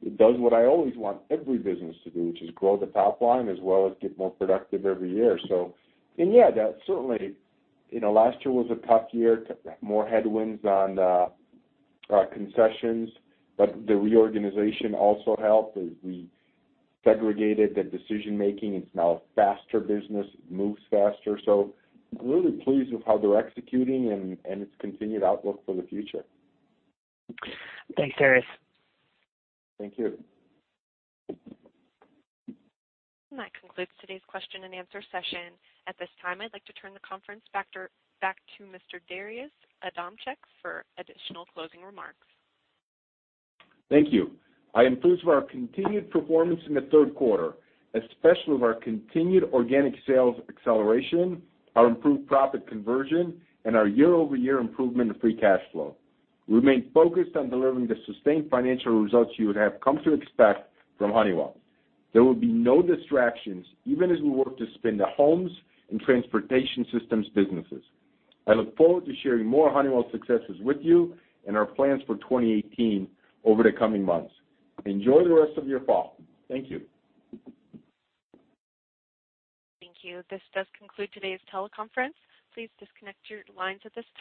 It does what I always want every business to do, which is grow the top line as well as get more productive every year. That certainly, last year was a tough year, more headwinds on concessions, the reorganization also helped as we segregated the decision-making. It's now a faster business. It moves faster. I'm really pleased with how they're executing and its continued outlook for the future. Thanks, Darius. Thank you. That concludes today's question and answer session. At this time, I'd like to turn the conference back to Mr. Darius Adamczyk for additional closing remarks. Thank you. I am pleased with our continued performance in the third quarter, especially with our continued organic sales acceleration, our improved profit conversion, and our year-over-year improvement in free cash flow. We remain focused on delivering the sustained financial results you would have come to expect from Honeywell. There will be no distractions, even as we work to spin the Homes and Transportation Systems businesses. I look forward to sharing more Honeywell successes with you and our plans for 2018 over the coming months. Enjoy the rest of your fall. Thank you. Thank you. This does conclude today's teleconference. Please disconnect your lines at this time.